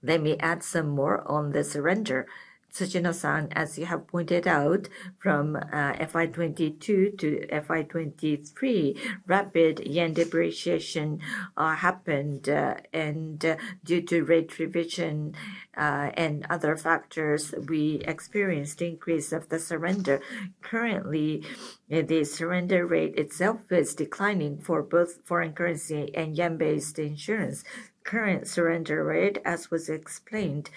Let me add some more on the surrender. Tsujino-san, as you have pointed out, from FY 2022 to FY 2023, rapid yen depreciation happened, and due to rate revision and other factors, we experienced increase of the surrender. Currently, the surrender rate itself is declining for both foreign currency and yen-based insurance. Current surrender rate, as was explained,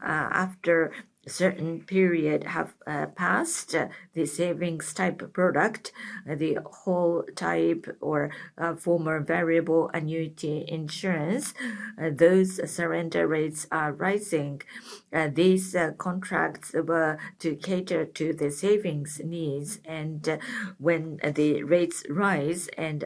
after a certain period have passed, the savings type product, the whole life type or former variable annuity insurance, those surrender rates are rising. These contracts were to cater to the savings needs. When the rates rise and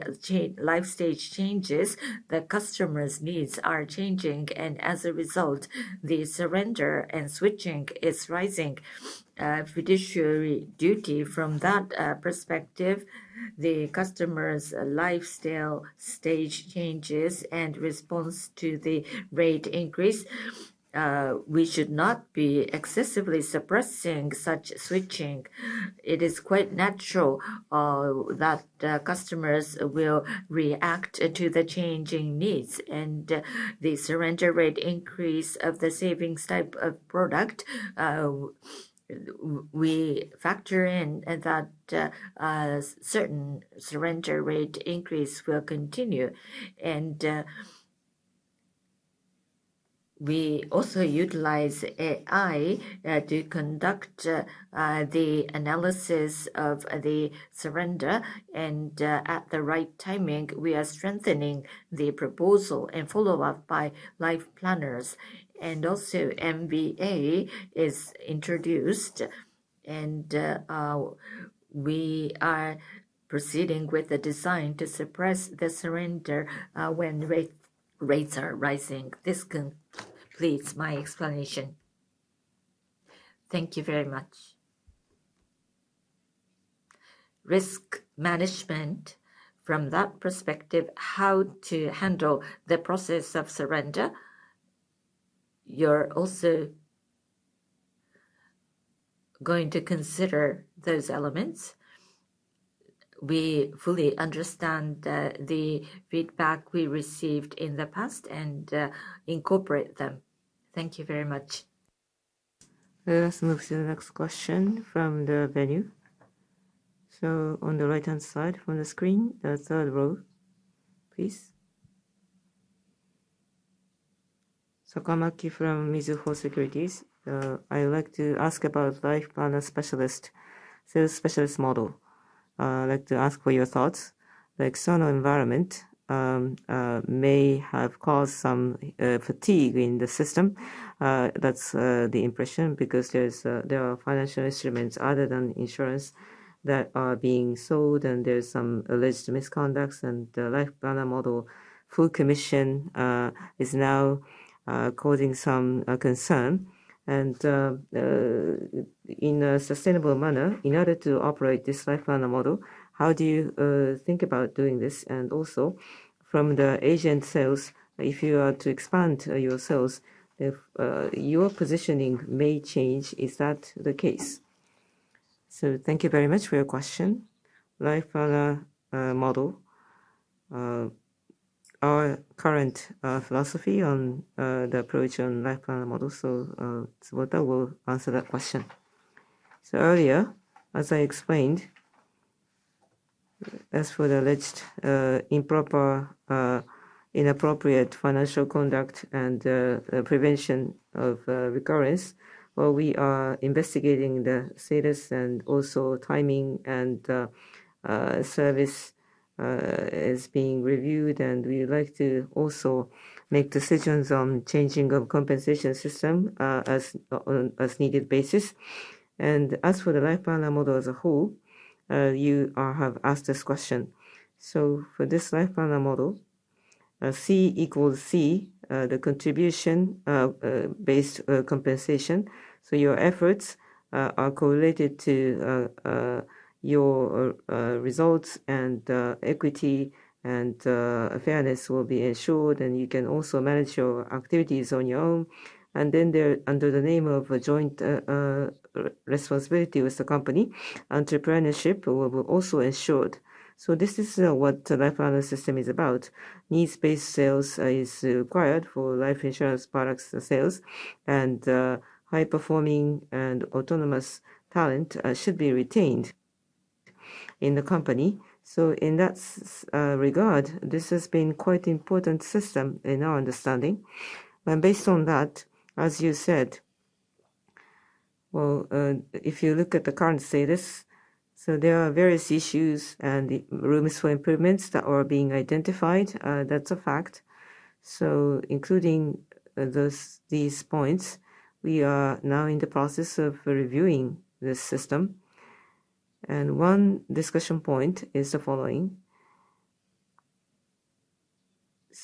life stage changes, the customer's needs are changing, and as a result, the surrender and switching is rising. Fiduciary duty from that perspective, the customer's lifestyle stage changes and response to the rate increase, we should not be excessively suppressing such switching. It is quite natural that customers will react to the changing needs. The surrender rate increase of the savings type of product, we factor in that certain surrender rate increase will continue. We also utilize AI to conduct the analysis of the surrender. At the right timing, we are strengthening the proposal and follow-up by Life Planners. MVA is introduced, and we are proceeding with the design to suppress the surrender when rates are rising. This completes my explanation. Thank you very much. Risk management from that perspective, how to handle the process of surrender. You're also going to consider those elements. We fully understand the feedback we received in the past and incorporate them. Thank you very much. Let us move to the next question from the venue. On the right-hand side from the screen, the third row, please. Sakamaki from Mizuho Securities. I'd like to ask about Life Planner specialist, sales specialist model. I'd like to ask for your thoughts. The external environment may have caused some fatigue in the system. That's the impression, because there are financial instruments other than insurance that are being sold, and there's some alleged misconduct, and the Life Planner model full commission is now causing some concern. In a sustainable manner, in order to operate this Life Planner model, how do you think about doing this? Also from the agent sales, if you are to expand your sales, your positioning may change. Is that the case? Thank you very much for your question. Life Planner model. Our current philosophy on the approach on Life Planner model. Tsubota will answer that question. Earlier, as I explained, as for the alleged improper, inappropriate financial conduct and prevention of recurrence, while we are investigating the status and also timing and service is being reviewed, and we would like to also make decisions on changing of compensation system on a as needed basis. As for the Life Planner model as a whole, you have asked this question. For this Life Planner model, C=C, the contribution based compensation. Your efforts are correlated to your results, and equity and fairness will be assured, and you can also manage your activities on your own. Under the name of a joint responsibility with the company, entrepreneurship will be also assured. This is what Life Planner system is about. Needs-based sales is required for life insurance products sales, and high-performing and autonomous talent should be retained in the company. In that regard, this has been quite important system in our understanding. Based on that, as you said, if you look at the current status, there are various issues and rooms for improvements that are being identified, that's a fact. Including these points, we are now in the process of reviewing this system. One discussion point is the following.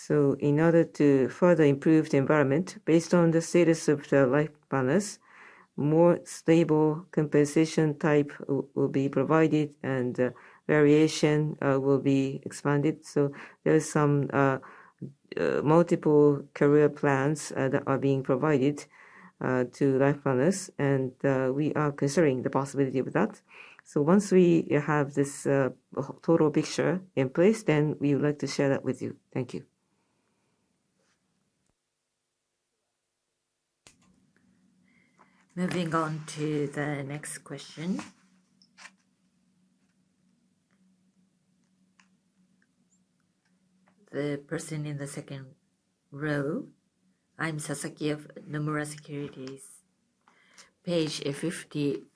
In order to further improve the environment, based on the status of the Life Planners, more stable compensation type will be provided and variation will be expanded. There are some multiple career plans that are being provided to Life Planners, and we are considering the possibility of that. Once we have this total picture in place, then we would like to share that with you. Thank you. Moving on to the next question. The person in the second row. I'm Sasaki of Nomura Securities. Page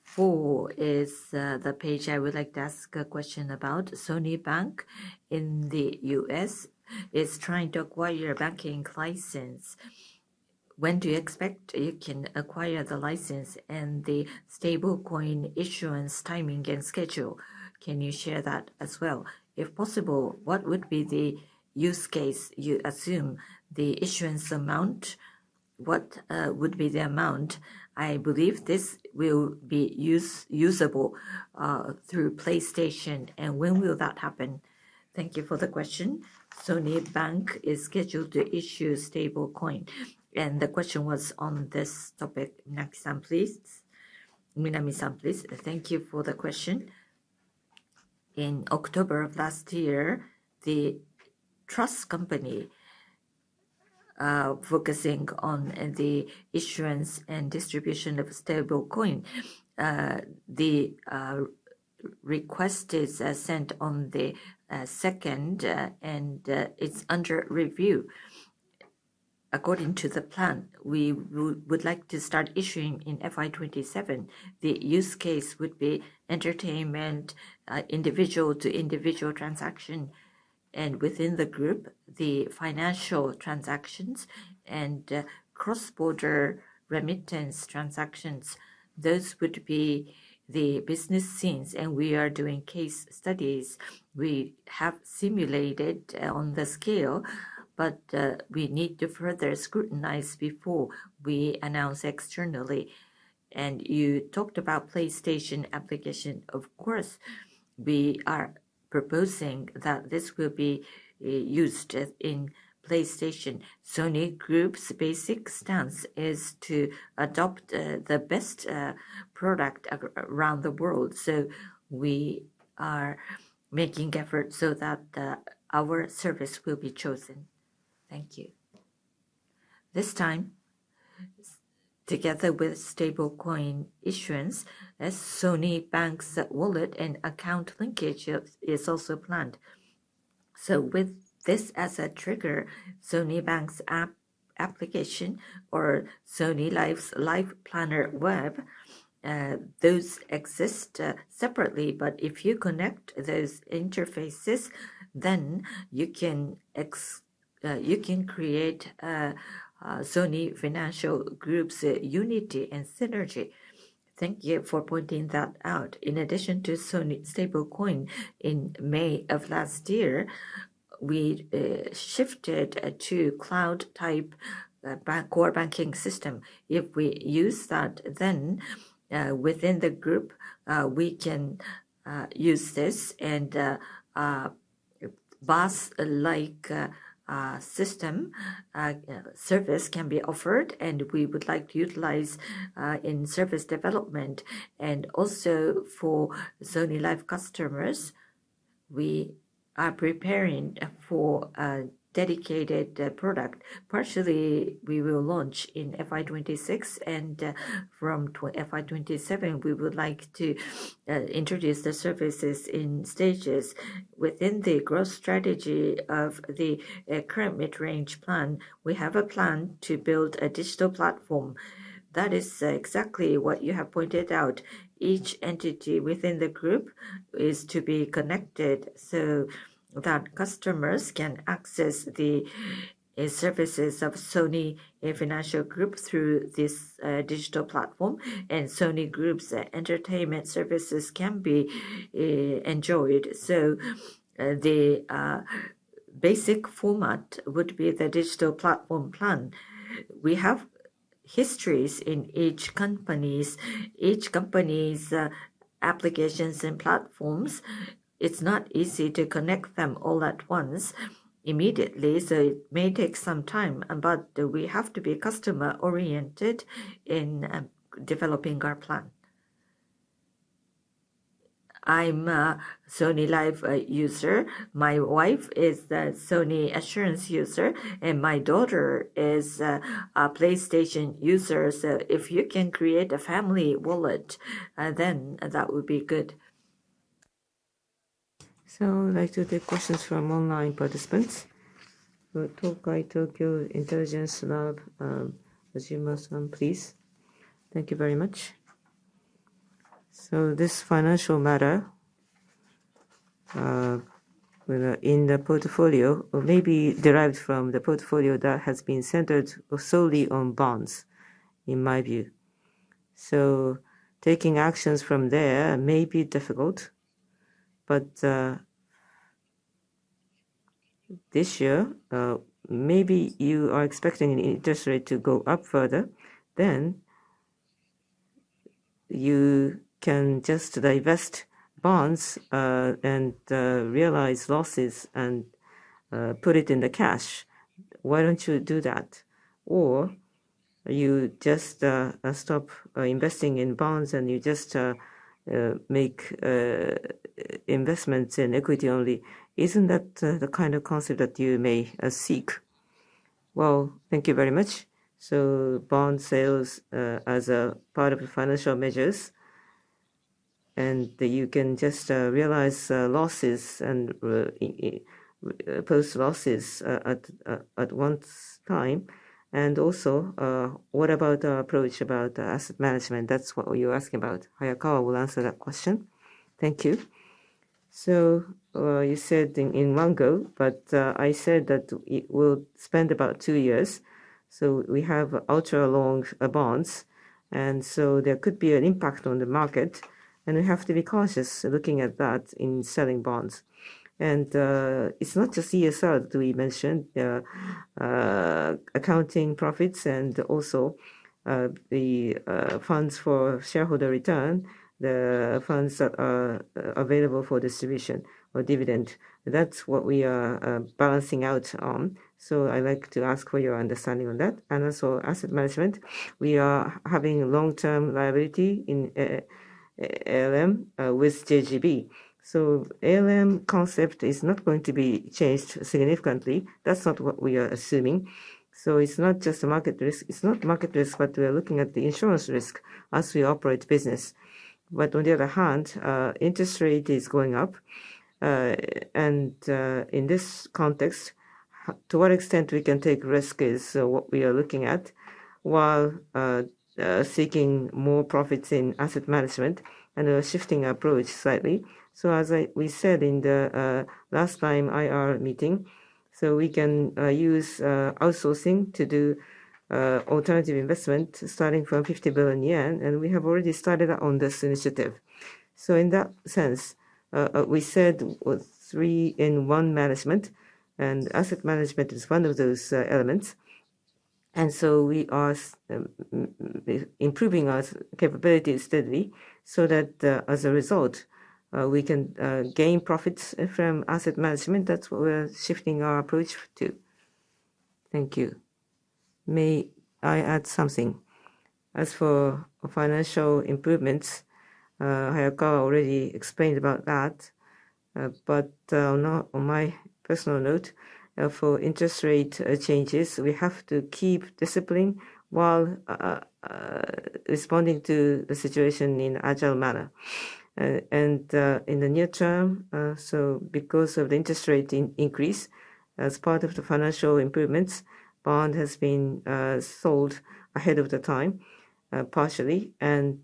54 is the page I would like to ask a question about. Sony Bank in the U.S. is trying to acquire a banking license. When do you expect it can acquire the license, and the stablecoin issuance timing and schedule? Can you share that as well? If possible, what would be the use case you assume? The issuance amount, what would be the amount? I believe this will be usable through PlayStation, and when will that happen? Thank you for the question. Sony Bank is scheduled to issue stablecoin, and the question was on this topic. Minami-san, please. Thank you for the question. In October of last year, the trust company focusing on the issuance and distribution of stablecoin, the request is sent on the second, and it's under review. According to the plan, we would like to start issuing in FY 2027. The use case would be entertainment, individual-to-individual transaction, and within the group, the financial transactions, and cross-border remittance transactions. Those would be the business scenes, and we are doing case studies. We have simulated on the scale, but we need to further scrutinize before we announce externally. You talked about PlayStation application. Of course, we are proposing that this will be used in PlayStation. Sony Group's basic stance is to adopt the best product around the world. We are making efforts so that our service will be chosen. Thank you. This time, together with stablecoin issuance, as Sony Bank's wallet and account linkage is also planned. With this as a trigger, Sony Bank's application or Sony Life's Life Planner Web, those exist separately, but if you connect those interfaces, then you can create Sony Financial Group's unity and synergy. Thank you for pointing that out. In addition to Sony stablecoin, in May of last year, we shifted to cloud type core banking system. If we use that, then within the group, we can use this, and a BaaS-like system service can be offered, and we would like to utilize in service development. For Sony Life customers, we are preparing for a dedicated product. Partially, we will launch in FY 2026, and from FY 2027, we would like to introduce the services in stages. Within the growth strategy of the current Mid-Range Plan, we have a plan to build a digital platform. Exactly what you have pointed out. Each entity within the group is to be connected so that customers can access the services of Sony Financial Group through this digital platform, and Sony Group's entertainment services can be enjoyed. The basic format would be the digital platform plan. We have histories in each company's applications and platforms. It's not easy to connect them all at once immediately, so it may take some time. We have to be customer-oriented in developing our plan. I'm a Sony Life user. My wife is a Sony Assurance user, and my daughter is a PlayStation user. If you can create a family wallet, then that would be good. I'd like to take questions from online participants. Tokai Tokyo Intelligence Laboratory, Osama-san, please. Thank you very much. This financial matter, whether in the portfolio or maybe derived from the portfolio that has been centered solely on bonds, in my view. Taking actions from there may be difficult, but this year, maybe you are expecting the interest rate to go up further, then you can just divest bonds, and realize losses, and put it in the cash. Why don't you do that? Or you just stop investing in bonds and you just make investments in equity only. Isn't that the kind of concept that you may seek? Well, thank you very much. Bond sales as a part of the financial measures, you can just realize losses and post losses at one time. Also, what about our approach about asset management? That's what you're asking about. Hayakawa will answer that question. Thank you. You said in one go, but I said that it will spend about two years. We have ultra-long bonds, and so there could be an impact on the market, and we have to be cautious looking at that in selling bonds. It's not just CSM that we mentioned, accounting profits and also the funds for shareholder return, the funds that are available for distribution or dividend. That's what we are balancing out on. I'd like to ask for your understanding on that. Also asset management. We are having long-term liability in ALM with JGB. ALM concept is not going to be changed significantly. That's not what we are assuming. It's not just market risk. It's not market risk, but we are looking at the insurance risk as we operate business. On the other hand, interest rate is going up. In this context, to what extent we can take risk is what we are looking at while seeking more profits in asset management and shifting approach slightly. As we said in the last time IR meeting, we can use outsourcing to do alternative investment starting from 50 billion yen, and we have already started on this initiative. In that sense, we said three-in-one Management, and asset management is one of those elements, and so we are improving our capabilities steadily so that, as a result, we can gain profits from asset management. That's what we're shifting our approach to. Thank you. May I add something? As for financial improvements, Hayakawa already explained about that. On my personal note, for interest rate changes, we have to keep discipline while responding to the situation in agile manner. In the near term, because of the interest rate increase as part of the financial improvements, bond has been sold ahead of the time, partially.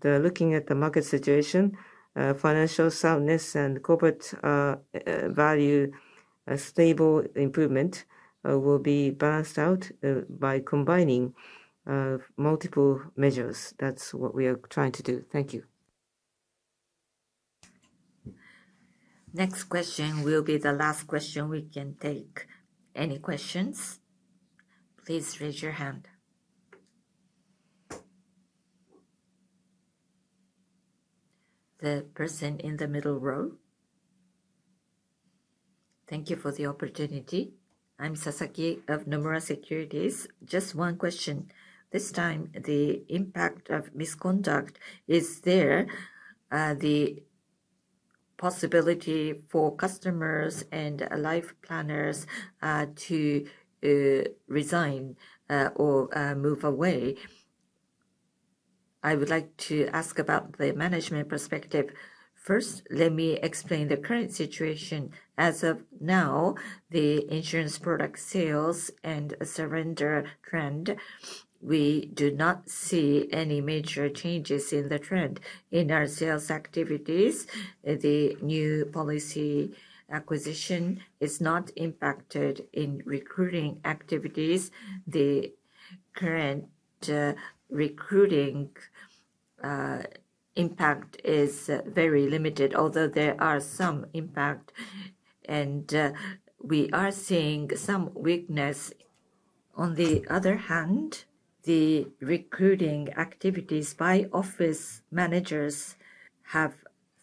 Looking at the market situation, financial soundness and corporate value stable improvement will be balanced out by combining multiple measures. That's what we are trying to do. Thank you. Next question will be the last question we can take. Any questions, please raise your hand. The person in the middle row. Thank you for the opportunity. I'm Sasaki of Nomura Securities. Just one question. This time, the impact of misconduct, is there the possibility for customers and Life Planners to resign or move away? I would like to ask about the management perspective. First, let me explain the current situation. As of now, the insurance product sales and surrender trend, we do not see any major changes in the trend. In our sales activities, the new policy acquisition is not impacted in recruiting activities. The current recruiting impact is very limited, although there are some impact, and we are seeing some weakness. On the other hand, the recruiting activities by office managers have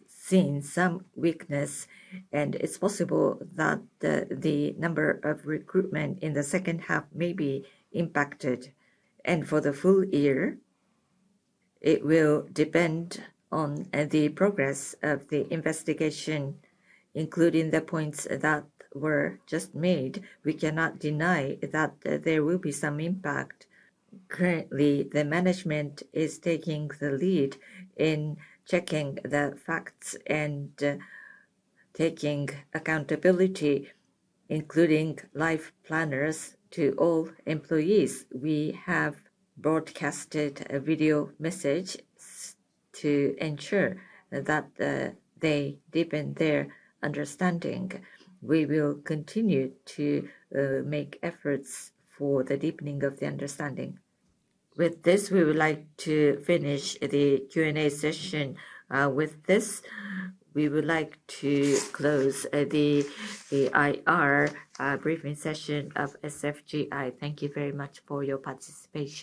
seen some weakness, and it's possible that the number of recruitment in the second half may be impacted. For the full year, it will depend on the progress of the investigation, including the points that were just made. We cannot deny that there will be some impact. Currently, the management is taking the lead in checking the facts and taking accountability, including Life Planners to all employees. We have broadcasted a video message to ensure that they deepen their understanding. We will continue to make efforts for the deepening of the understanding. With this, we would like to finish the Q and A session. With this, we would like to close the IR briefing session of SFGI. Thank you very much for your participation.